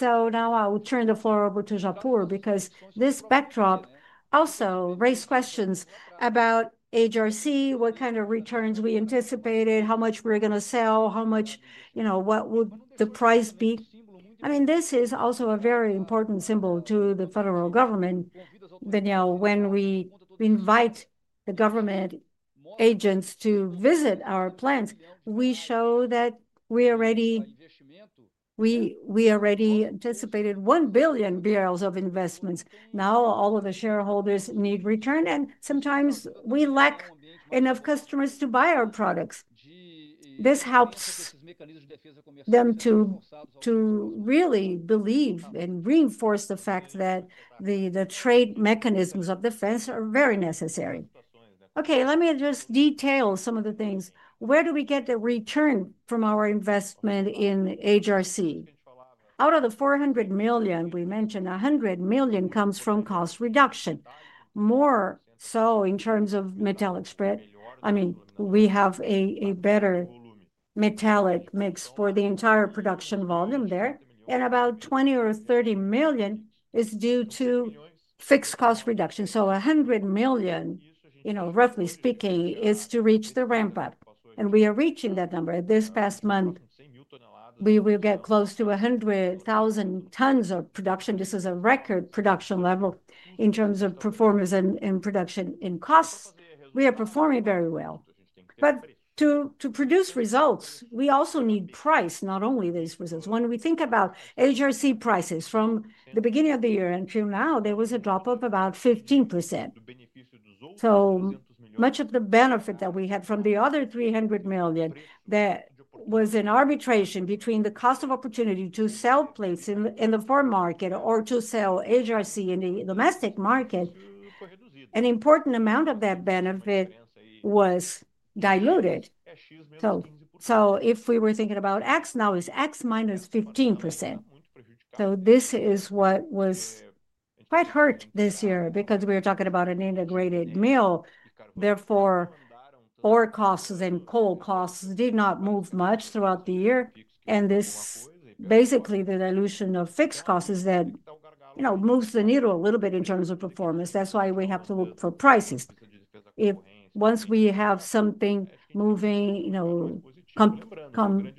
Now I will turn the floor over to Japur because this backdrop also raised questions about HRC, what kind of returns we anticipated, how much we're going to sell, what would the price be? I mean, this is also a very important symbol to the federal government. Daniel, when we invite the government agents to visit our plants, we show that we already anticipated 1 billion BRL of investments. Now all of the shareholders need return, and sometimes we lack enough customers to buy our products. This helps them to really believe and reinforce the fact that the trade mechanisms of defense are very necessary. Let me just detail some of the things. Where do we get the return from our investment in HRC? Out of the 400 million, we mentioned 100 million comes from cost reduction, more so in terms of metallic spread. I mean, we have a better metallic mix for the entire production volume there. About 20 million or 30 million is due to fixed cost reduction. So 100 million, roughly speaking, is to reach the ramp-up, and we are reaching that number. This past month, we will get close to 100,000 tons of production. This is a record production level in terms of performance and production and costs. We are performing very well. To produce results, we also need price, not only these results. When we think about HRC prices from the beginning of the year until now, there was a drop of about 15%. Much of the benefit that we had from the other 300 million that was in arbitration between the cost of opportunity to sell plates in the foreign market or to sell HRC in the domestic market, an important amount of that benefit was diluted. If we were thinking about X, now it's X-15%. This is what was quite hurt this year because we were talking about an integrated mill. Therefore, oil costs and coal costs did not move much throughout the year. Basically, the dilution of fixed costs is what moves the needle a little bit in terms of performance. That's why we have to look for prices. Once we have something moving, competition-wise,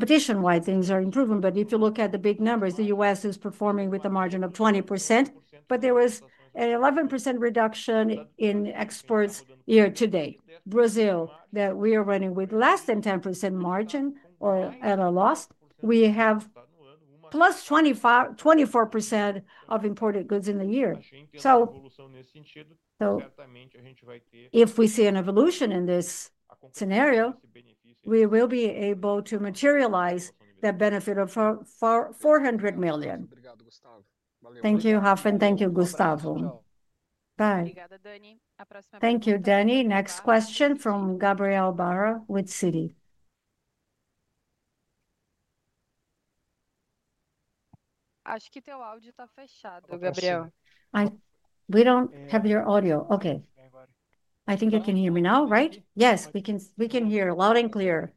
things are improving. If you look at the big numbers, the U.S. is performing with a margin of 20%, but there was an 11% reduction in exports year-to-date. Brazil, where we are running with less than 10% margin or at a loss, we have +24% of imported goods in the year. If we see an evolution in this scenario, we will be able to materialize that benefit of 400 million. Thank you, Raf. Thank you, Gustavo. Bye. Thank you, Danny. Next question from Gabriel Barra with Citi. Acho que teu áudio está fechado. Gabriel. We don't have your audio. Okay. I think you can hear me now, right? Yes, we can hear loud and clear.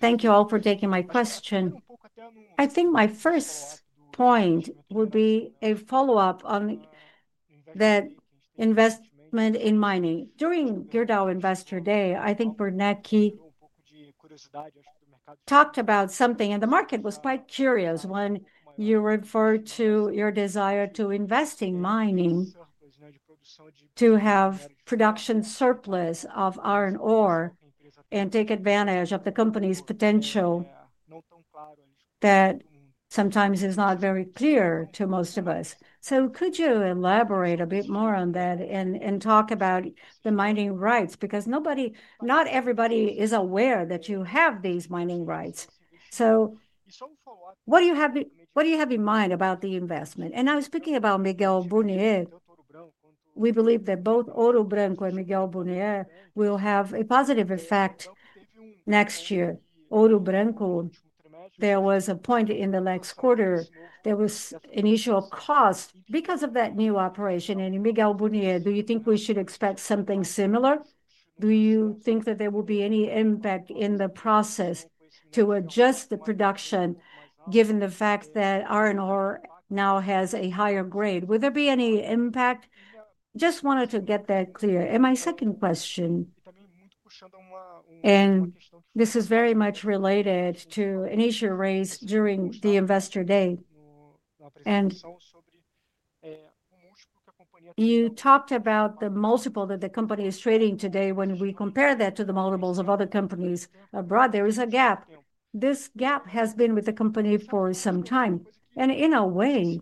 Thank you all for taking my question. I think my first point would be a follow-up on that investment in mining. During Gerdau Investor Day, I think Werneck talked about something, and the market was quite curious when you referred to your desire to invest in mining to have production surplus of iron ore and take advantage of the company's potential. That sometimes is not very clear to most of us. Could you elaborate a bit more on that and talk about the mining rights? Not everybody is aware that you have these mining rights. What do you have in mind about the investment? I was speaking about Miguel Burnier. We believe that both Ouro Branco and Miguel Burnier will have a positive effect next year. Ouro Branco, there was a point in the last quarter, there was an issue of cost because of that new operation. Miguel Burnier, do you think we should expect something similar? Do you think that there will be any impact in the process to adjust the production, given the fact that iron ore now has a higher grade? Would there be any impact? I just wanted to get that clear. My second question, and this is very much related to an issue raised during the Investor Day, you talked about the multiple that the company is trading today. When we compare that to the multiples of other companies abroad, there is a gap. This gap has been with the company for some time, and in a way,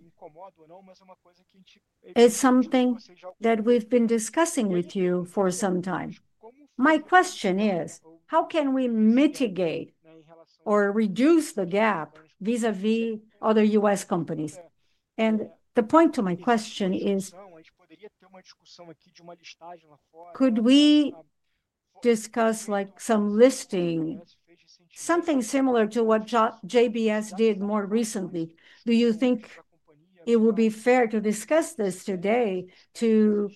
it's something that we've been discussing with you for some time. My question is, how can we mitigate or reduce the gap vis-à-vis other U.S. companies? The point to my question is, could we discuss some listing, something similar to what JBS did more recently? Do you think it would be fair to discuss this today to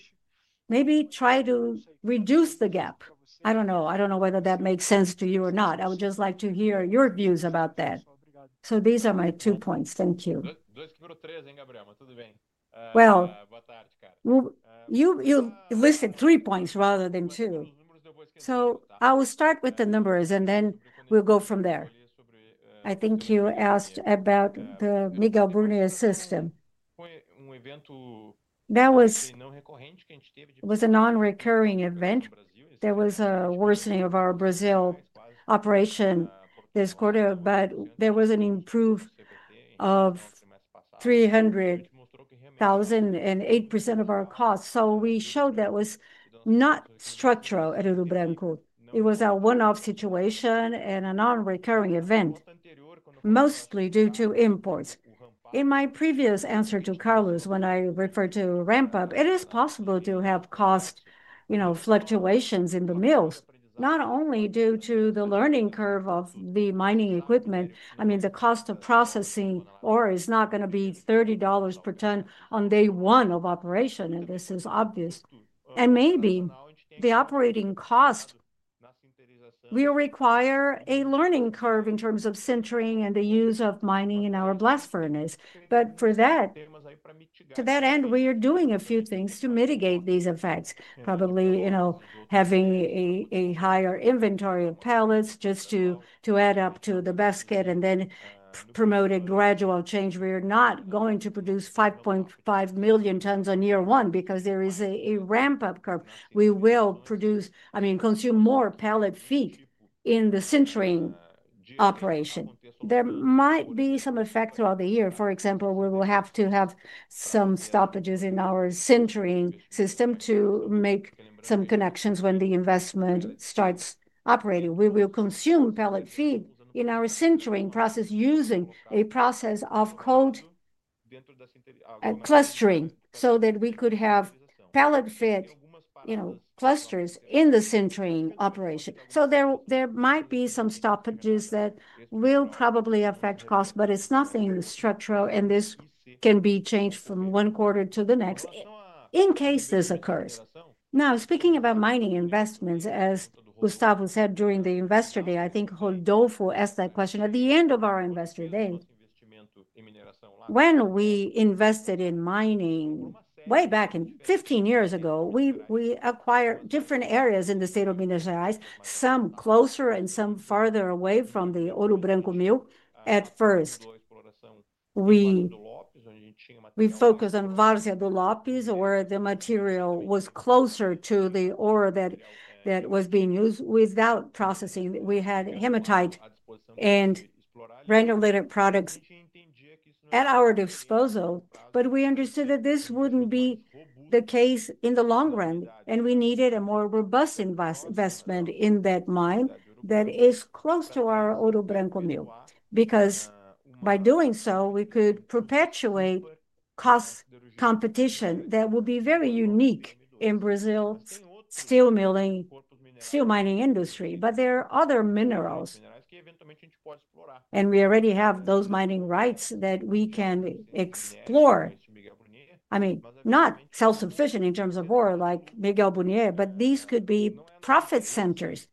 maybe try to reduce the gap? I don't know. I don't know whether that makes sense to you or not. I would just like to hear your views about that. These are my two points. Thank you. Boa tarde, cara. You listed three points rather than two, so I will start with the numbers and then we'll go from there. I think you asked about the Miguel Burnier system. That was a non-recurring event. There was a worsening of our Brazil operation this quarter, but there was an improve of 300,000 and 8% of our costs. We showed that was not structural at Ouro Branco. It was a one-off situation and a non-recurring event, mostly due to imports. In my previous answer to Carlos, when I referred to ramp-up, it is possible to have cost fluctuations in the mills, not only due to the learning curve of the mining equipment. The cost of processing ore is not going to be $30 per ton on day one of operation, and this is obvious. Maybe the operating cost will require a learning curve in terms of centering and the use of mining in our blast furnace. To that end, we are doing a few things to mitigate these effects, probably having a higher inventory of pellets just to add up to the basket and then promote a gradual change. We are not going to produce 5.5 million tons on year one because there is a ramp-up curve. We will produce, I mean, consume more pellet feed in the centering operation. There might be some effect throughout the year. For example, we will have to have some stoppages in our centering system to make some connections when the investment starts operating. We will consume pallet feet in our centering process using a process of code clustering so that we could have pallet-fit clusters in the centering operation. There might be some stoppages that will probably affect costs, but it's nothing structural, and this can be changed from one quarter to the next in case this occurs. Now, speaking about mining investments, as Gustavo said during the Investor Day, I think Rodolfo asked that question at the end of our Investor Day. When we invested in mining way back 15 years ago, we acquired different areas in the state of Minas Gerais, some closer and some farther away from the Ouro Branco mill. At first, we focused on Várzea do Lopes, where the material was closer to the ore that was being used without processing. We had hematite and random litter products at our disposal, but we understood that this wouldn't be the case in the long run, and we needed a more robust investment in that mine that is close to our Ouro Branco mill. By doing so, we could perpetuate cost competition that would be very unique in Brazil's steel milling mining industry. There are other minerals, and we already have those mining rights that we can explore. I mean, not self-sufficient in terms of ore like Miguel Burnier, but these could be profit centers.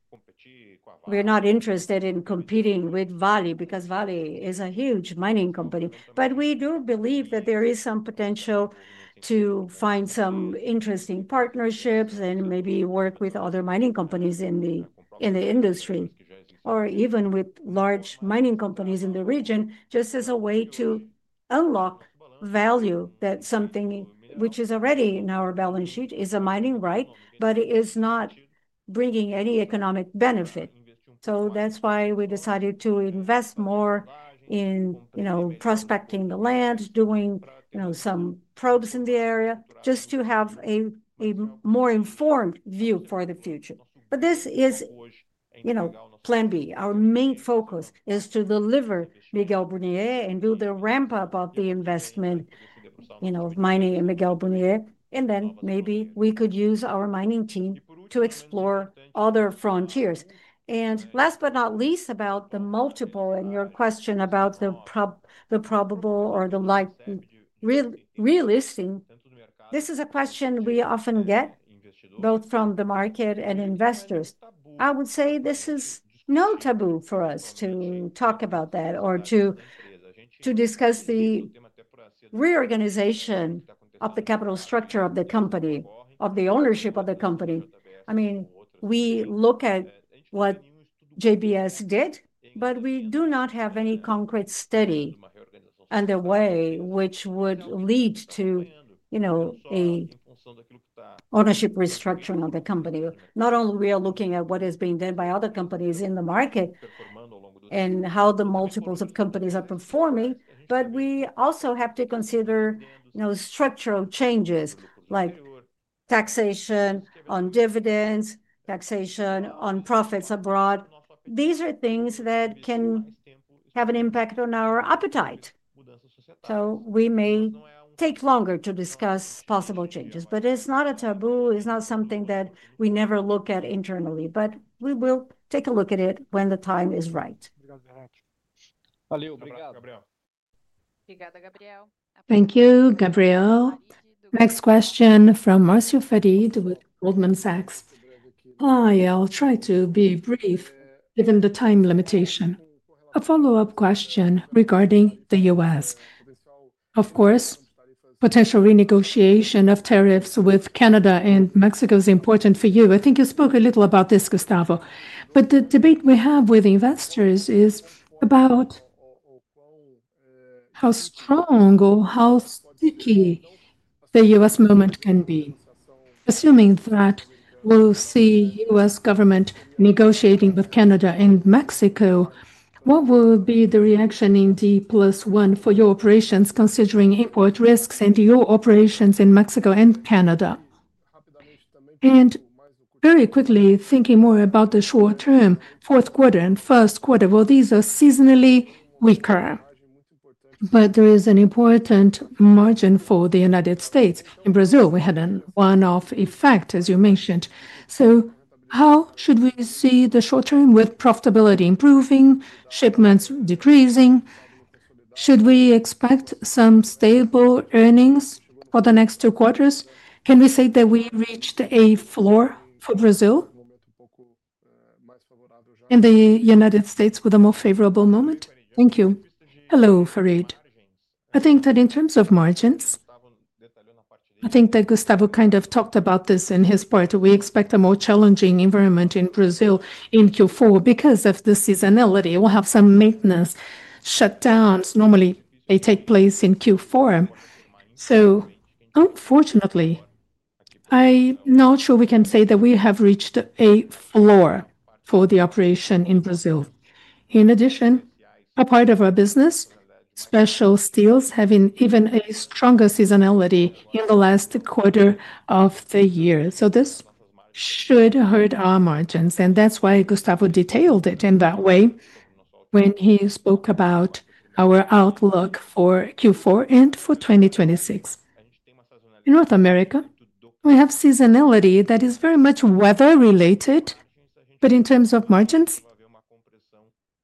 We're not interested in competing with Vale because Vale is a huge mining company. We do believe that there is some potential to find some interesting partnerships and maybe work with other mining companies in the industry, or even with large mining companies in the region, just as a way to unlock value that is something which is already in our balance sheet as a mining right, but it is not bringing any economic benefit. That's why we decided to invest more in prospecting the land, doing some probes in the area, just to have a more informed view for the future. This is plan B. Our main focus is to deliver Miguel Burnier and do the ramp-up of the investment of mining in Miguel Burnier. Maybe we could use our mining team to explore other frontiers. Last but not least, about the multiple and your question about the probable or the realistic, this is a question we often get both from the market and investors. I would say this is no taboo for us to talk about that or to discuss the reorganization of the capital structure of the company, of the ownership of the company. I mean, we look at what JBS did, but we do not have any concrete study underway which would lead to an ownership restructuring of the company. Not only are we looking at what is being done by other companies in the market and how the multiples of companies are performing, but we also have to consider structural changes like taxation on dividends, taxation on profits abroad. These are things that can have an impact on our appetite. We may take longer to discuss possible changes, but it's not a taboo. It's not something that we never look at internally, but we will take a look at it when the time is right. Thank you, Gabriel. Next question from Marcio Farid with Goldman Sachs. I'll try to be brief given the time limitation. A follow-up question regarding the U.S. Of course, potential renegotiation of tariffs with Canada and Mexico is important for you. I think you spoke a little about this, Gustavo, but the debate we have with investors is about how strong or how sticky the U.S. movement can be. Assuming that we'll see U.S. government negotiating with Canada and Mexico, what will be the reaction in the plus one for your operations, considering import risks and your operations in Mexico and Canada? Very quickly, thinking more about the short term, fourth quarter and first quarter, these are seasonally weaker. There is an important margin for the United States. In Brazil, we had a one-off effect, as you mentioned. How should we see the short term with profitability improving, shipments decreasing? Should we expect some stable earnings for the next two quarters? Can we say that we reached a floor for Brazil in the United States with a more favorable moment? Thank you. Hello, Farid. I think that in terms of margins, I think that Gustavo kind of talked about this in his part. We expect a more challenging environment in Brazil in Q4 because of the seasonality. We'll have some maintenance shutdowns. Normally, they take place in Q4. Unfortunately, I'm not sure we can say that we have reached a floor for the operation in Brazil. In addition, a part of our business, special steels, having even a stronger seasonality in the last quarter of the year. This should hurt our margins. That's why Gustavo detailed it in that way when he spoke about our outlook for Q4 and for 2026. In North America, we have seasonality that is very much weather-related. In terms of margins.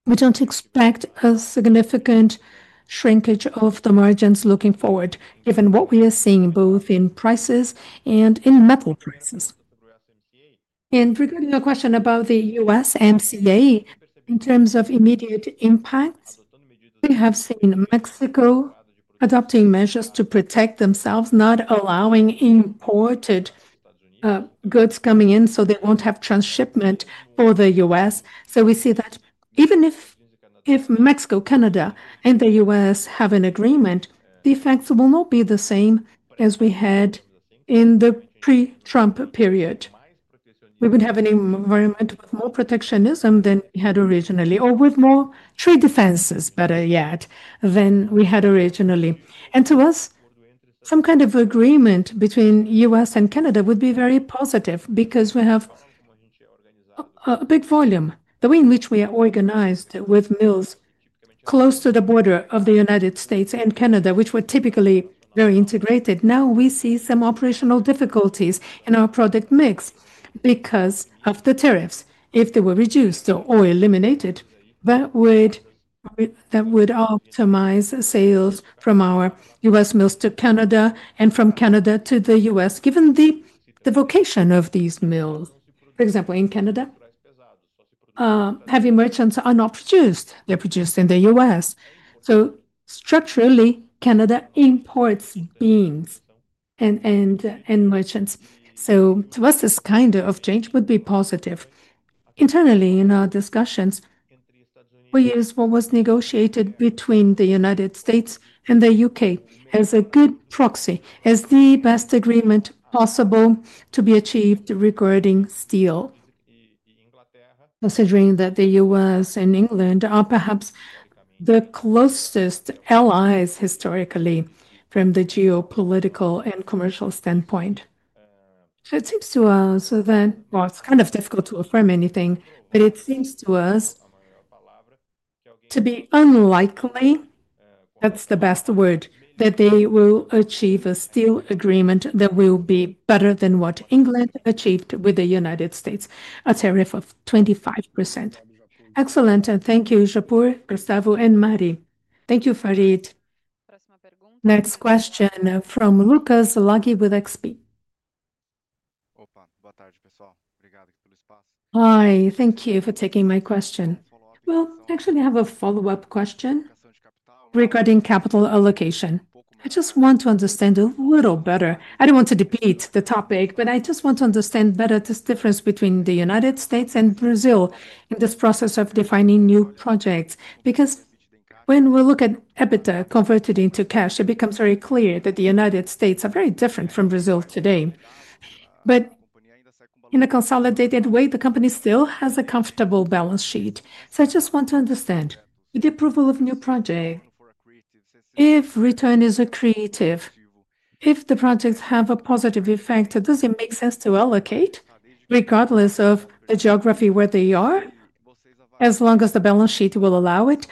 We don't expect a significant shrinkage of the margins looking forward, given what we are seeing both in prices and in metal prices. Regarding your question about the USMCA, in terms of immediate impacts, we have seen Mexico adopting measures to protect themselves, not allowing imported goods coming in so they won't have transshipment for the U.S. We see that even if Mexico, Canada, and the U.S. have an agreement, the effects will not be the same as we had in the pre-Trump period. We would have an environment with more protectionism than we had originally, or with more trade defenses, better yet, than we had originally. To us, some kind of agreement between the U.S. and Canada would be very positive because we have a big volume. The way in which we are organized with mills close to the border of the United States and Canada, which were typically very integrated, now we see some operational difficulties in our product mix because of the tariffs. If they were reduced or eliminated, that would optimize sales from our U.S. mills to Canada and from Canada to the U.S., given the vocation of these mills. For example, in Canada, heavy merchants are not produced. They're produced in the U.S. Structurally, Canada imports beams and merchants. To us, this kind of change would be positive. Internally, in our discussions, we use what was negotiated between the United States and the U.K. as a good proxy, as the best agreement possible to be achieved regarding steel. Considering that the U.S. and England are perhaps the closest allies historically from the geopolitical and commercial standpoint, it seems to us that, it's kind of difficult to affirm anything, but it seems to us to be unlikely, that's the best word, that they will achieve a steel agreement that will be better than what England achieved with the United States, a tariff of 25%. Excellent. Thank you, Japur, Gustavo, and Mari. Thank you, Farid. Next question from Lucas Laghi with XP. Boa tarde, pessoal. Obrigado aqui pelo espaço. Hi, thank you for taking my question. I have a follow-up question regarding capital allocation. I just want to understand a little better. I don't want to debate the topic, but I just want to understand better this difference between the United States and Brazil in this process of defining new projects. Because when we look at EBITDA converted into cash, it becomes very clear that the United States is very different from Brazil today. In a consolidated way, the company still has a comfortable balance sheet. I just want to understand, with the approval of a new project, if return is accretive, if the projects have a positive effect, does it make sense to allocate regardless of the geography where they are, as long as the balance sheet will allow it?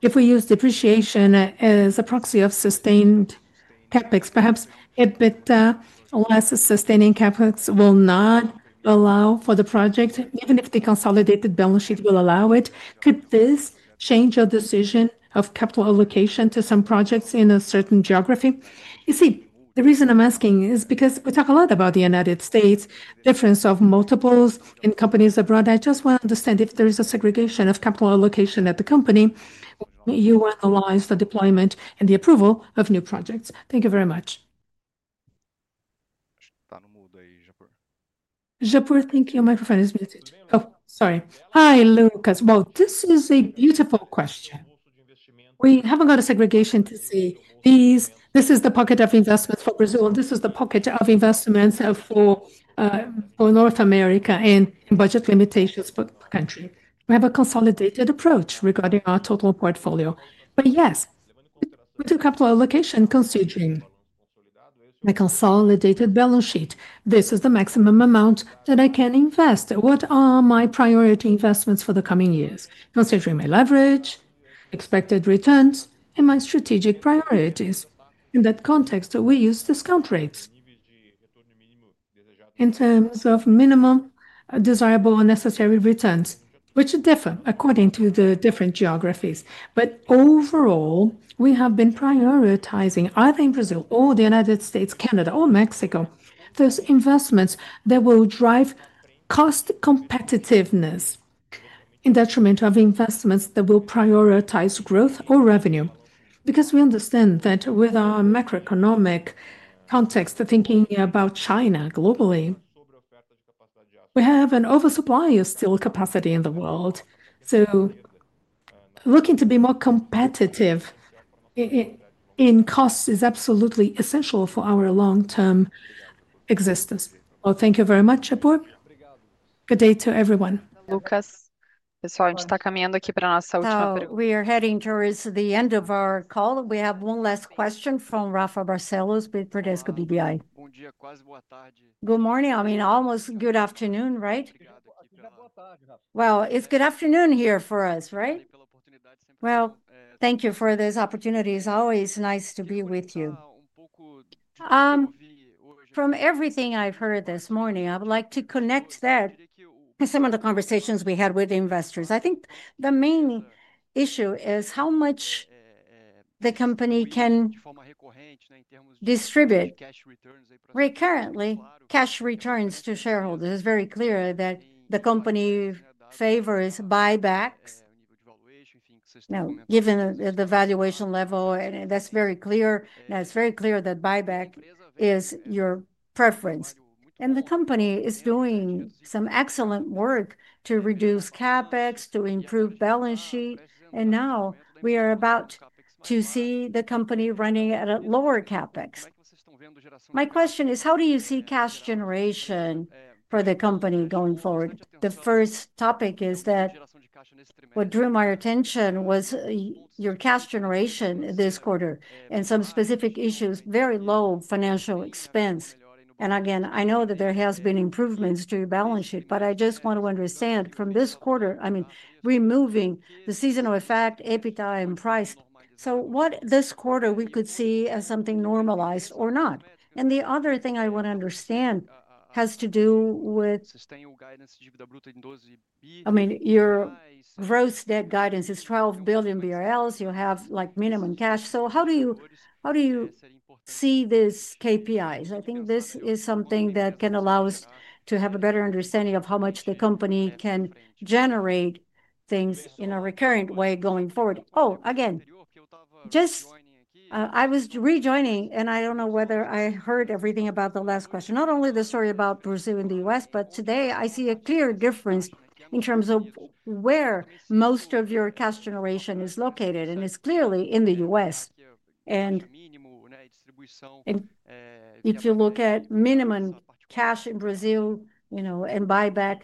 If we use depreciation as a proxy of sustained CapEx, perhaps EBITDA less sustaining CapEx will not allow for the project, even if the consolidated balance sheet will allow it. Could this change your decision of capital allocation to some projects in a certain geography? The reason I'm asking is because we talk a lot about the United States, difference of multiples in companies abroad. I just want to understand if there is a segregation of capital allocation at the company when you analyze the deployment and the approval of new projects. Thank you very much. Japur, I think your microphone is muted. Oh, sorry. Hi, Lucas. This is a beautiful question. We haven't got a segregation to see these. This is the pocket of investments for Brazil, and this is the pocket of investments for North America and budget limitations for the country. We have a consolidated approach regarding our total portfolio. With a capital allocation considering my consolidated balance sheet, this is the maximum amount that I can invest. What are my priority investments for the coming years, considering my leverage, expected returns, and my strategic priorities? In that context, we use discount rates. In terms of minimum desirable or necessary returns, which differ according to the different geographies. Overall, we have been prioritizing, either in Brazil or the United States, Canada, or Mexico, those investments that will drive cost competitiveness in detriment of investments that will prioritize growth or revenue. We understand that with our macroeconomic context, thinking about China globally, we have an oversupply of steel capacity in the world. Looking to be more competitive in cost is absolutely essential for our long-term existence. Thank you very much, Japur. Good day to everyone. Lucas, pessoal, a gente está caminhando aqui para a nossa última pergunta. We are heading towards the end of our call. We have one last question from Rafael Barcellos with Bradesco BBI. Good morning. I mean, almost good afternoon, right? It's good afternoon here for us, right? Thank you for this opportunity. It's always nice to be with you. From everything I've heard this morning, I would like to connect that to some of the conversations we had with investors. I think the main issue is how much the company can distribute recurrently cash returns to shareholders. It's very clear that the company favors buybacks. Now, given the valuation level, that's very clear. It's very clear that buyback is your preference. The company is doing some excellent work to reduce CapEx, to improve balance sheet, and now we are about to see the company running at a lower CapEx. My question is, how do you see cash generation for the company going forward? The first topic is that what drew my attention was your cash generation this quarter and some specific issues: very low financial expense. I know that there have been improvements to your balance sheet, but I just want to understand from this quarter, removing the seasonal effect, EBITDA, and price. What this quarter we could see as something normalized or not? The other thing I want to understand has to do with your gross debt guidance is 12 billion BRL. You have like minimum cash. How do you see these KPIs? I think this is something that can allow us to have a better understanding of how much the company can generate things in a recurrent way going forward. I was rejoining, and I don't know whether I heard everything about the last question. Not only the story about Brazil and the U.S., but today I see a clear difference in terms of where most of your cash generation is located, and it's clearly in the U.S. If you look at minimum cash in Brazil, you know, and buyback,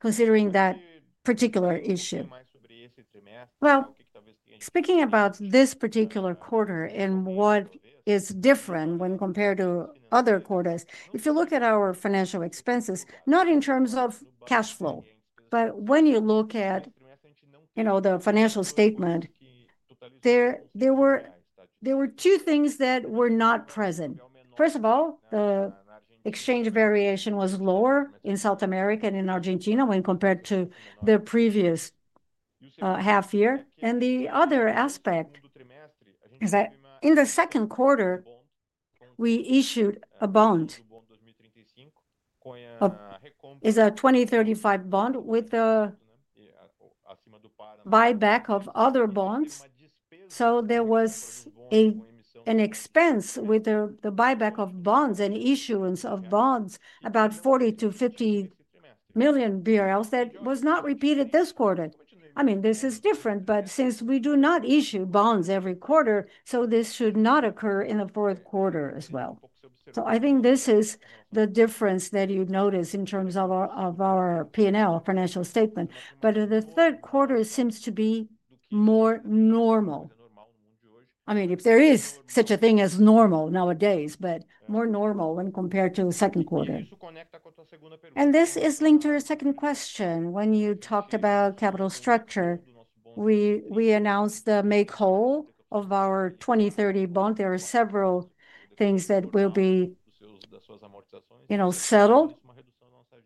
considering that particular issue. Speaking about this particular quarter and what is different when compared to other quarters, if you look at our financial expenses, not in terms of cash flow, but when you look at the financial statement, there were two things that were not present. First of all, the exchange variation was lower in South America and in Argentina when compared to the previous half year. The other aspect is that in the second quarter, we issued a bond. It's a 2035 bond with the buyback of other bonds. So there was. An expense with the buyback of bonds and issuance of bonds, about 40 million-50 million BRL, that was not repeated this quarter. This is different, but since we do not issue bonds every quarter, this should not occur in the fourth quarter as well. I think this is the difference that you notice in terms of our P&L, financial statement. The third quarter seems to be more normal, if there is such a thing as normal nowadays, but more normal when compared to the second quarter. This is linked to your second question when you talked about capital structure. We announced the make-whole of our 2030 bond. There are several things that will be settled,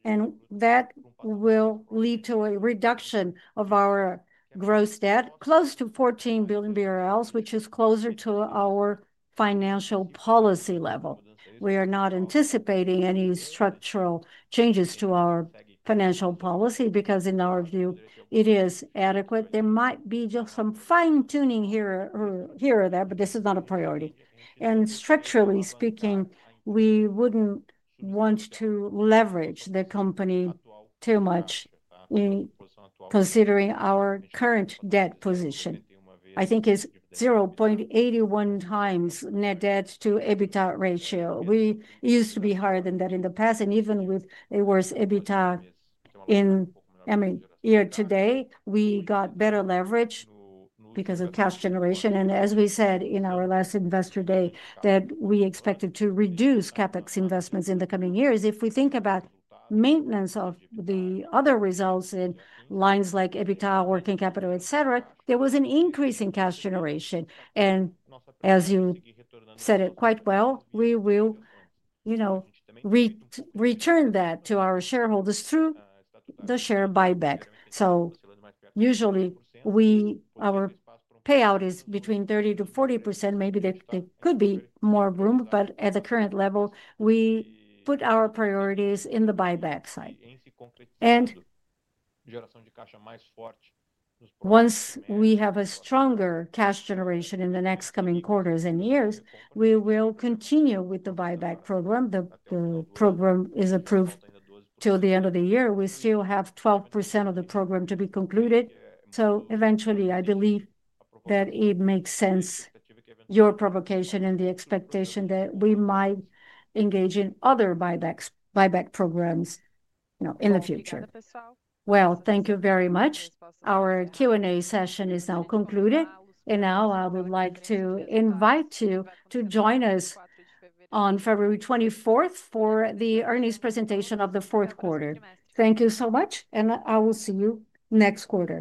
and that will lead to a reduction of our gross debt, close to 14 billion BRL, which is closer to our financial policy level. We are not anticipating any structural changes to our financial policy because, in our view, it is adequate. There might be just some fine-tuning here or there, but this is not a priority. Structurally speaking, we wouldn't want to leverage the company too much, considering our current debt position. I think it's 0.81x net debt-to-EBITDA ratio. We used to be higher than that in the past, and even with a worse EBITDA year-to-date, we got better leverage because of cash generation. As we said in our last Investor Day, we expected to reduce CapEx investments in the coming years. If we think about maintenance of the other results in lines like EBITDA, working capital, etc., there was an increase in cash generation. As you said it quite well, we will return that to our shareholders through the share buyback. Usually, our payout is between 30%-40%. Maybe there could be more room, but at the current level, we put our priorities in the buyback side. Once we have a stronger cash generation in the next coming quarters and years, we will continue with the buyback program. The program is approved till the end of the year. We still have 12% of the program to be concluded. Eventually, I believe that it makes sense, your provocation and the expectation that we might engage in other buyback programs in the future. Thank you very much. Our Q&A session is now concluded. I would like to invite you to join us on February 24th for the earnings presentation of the fourth quarter. Thank you so much, and I will see you next quarter.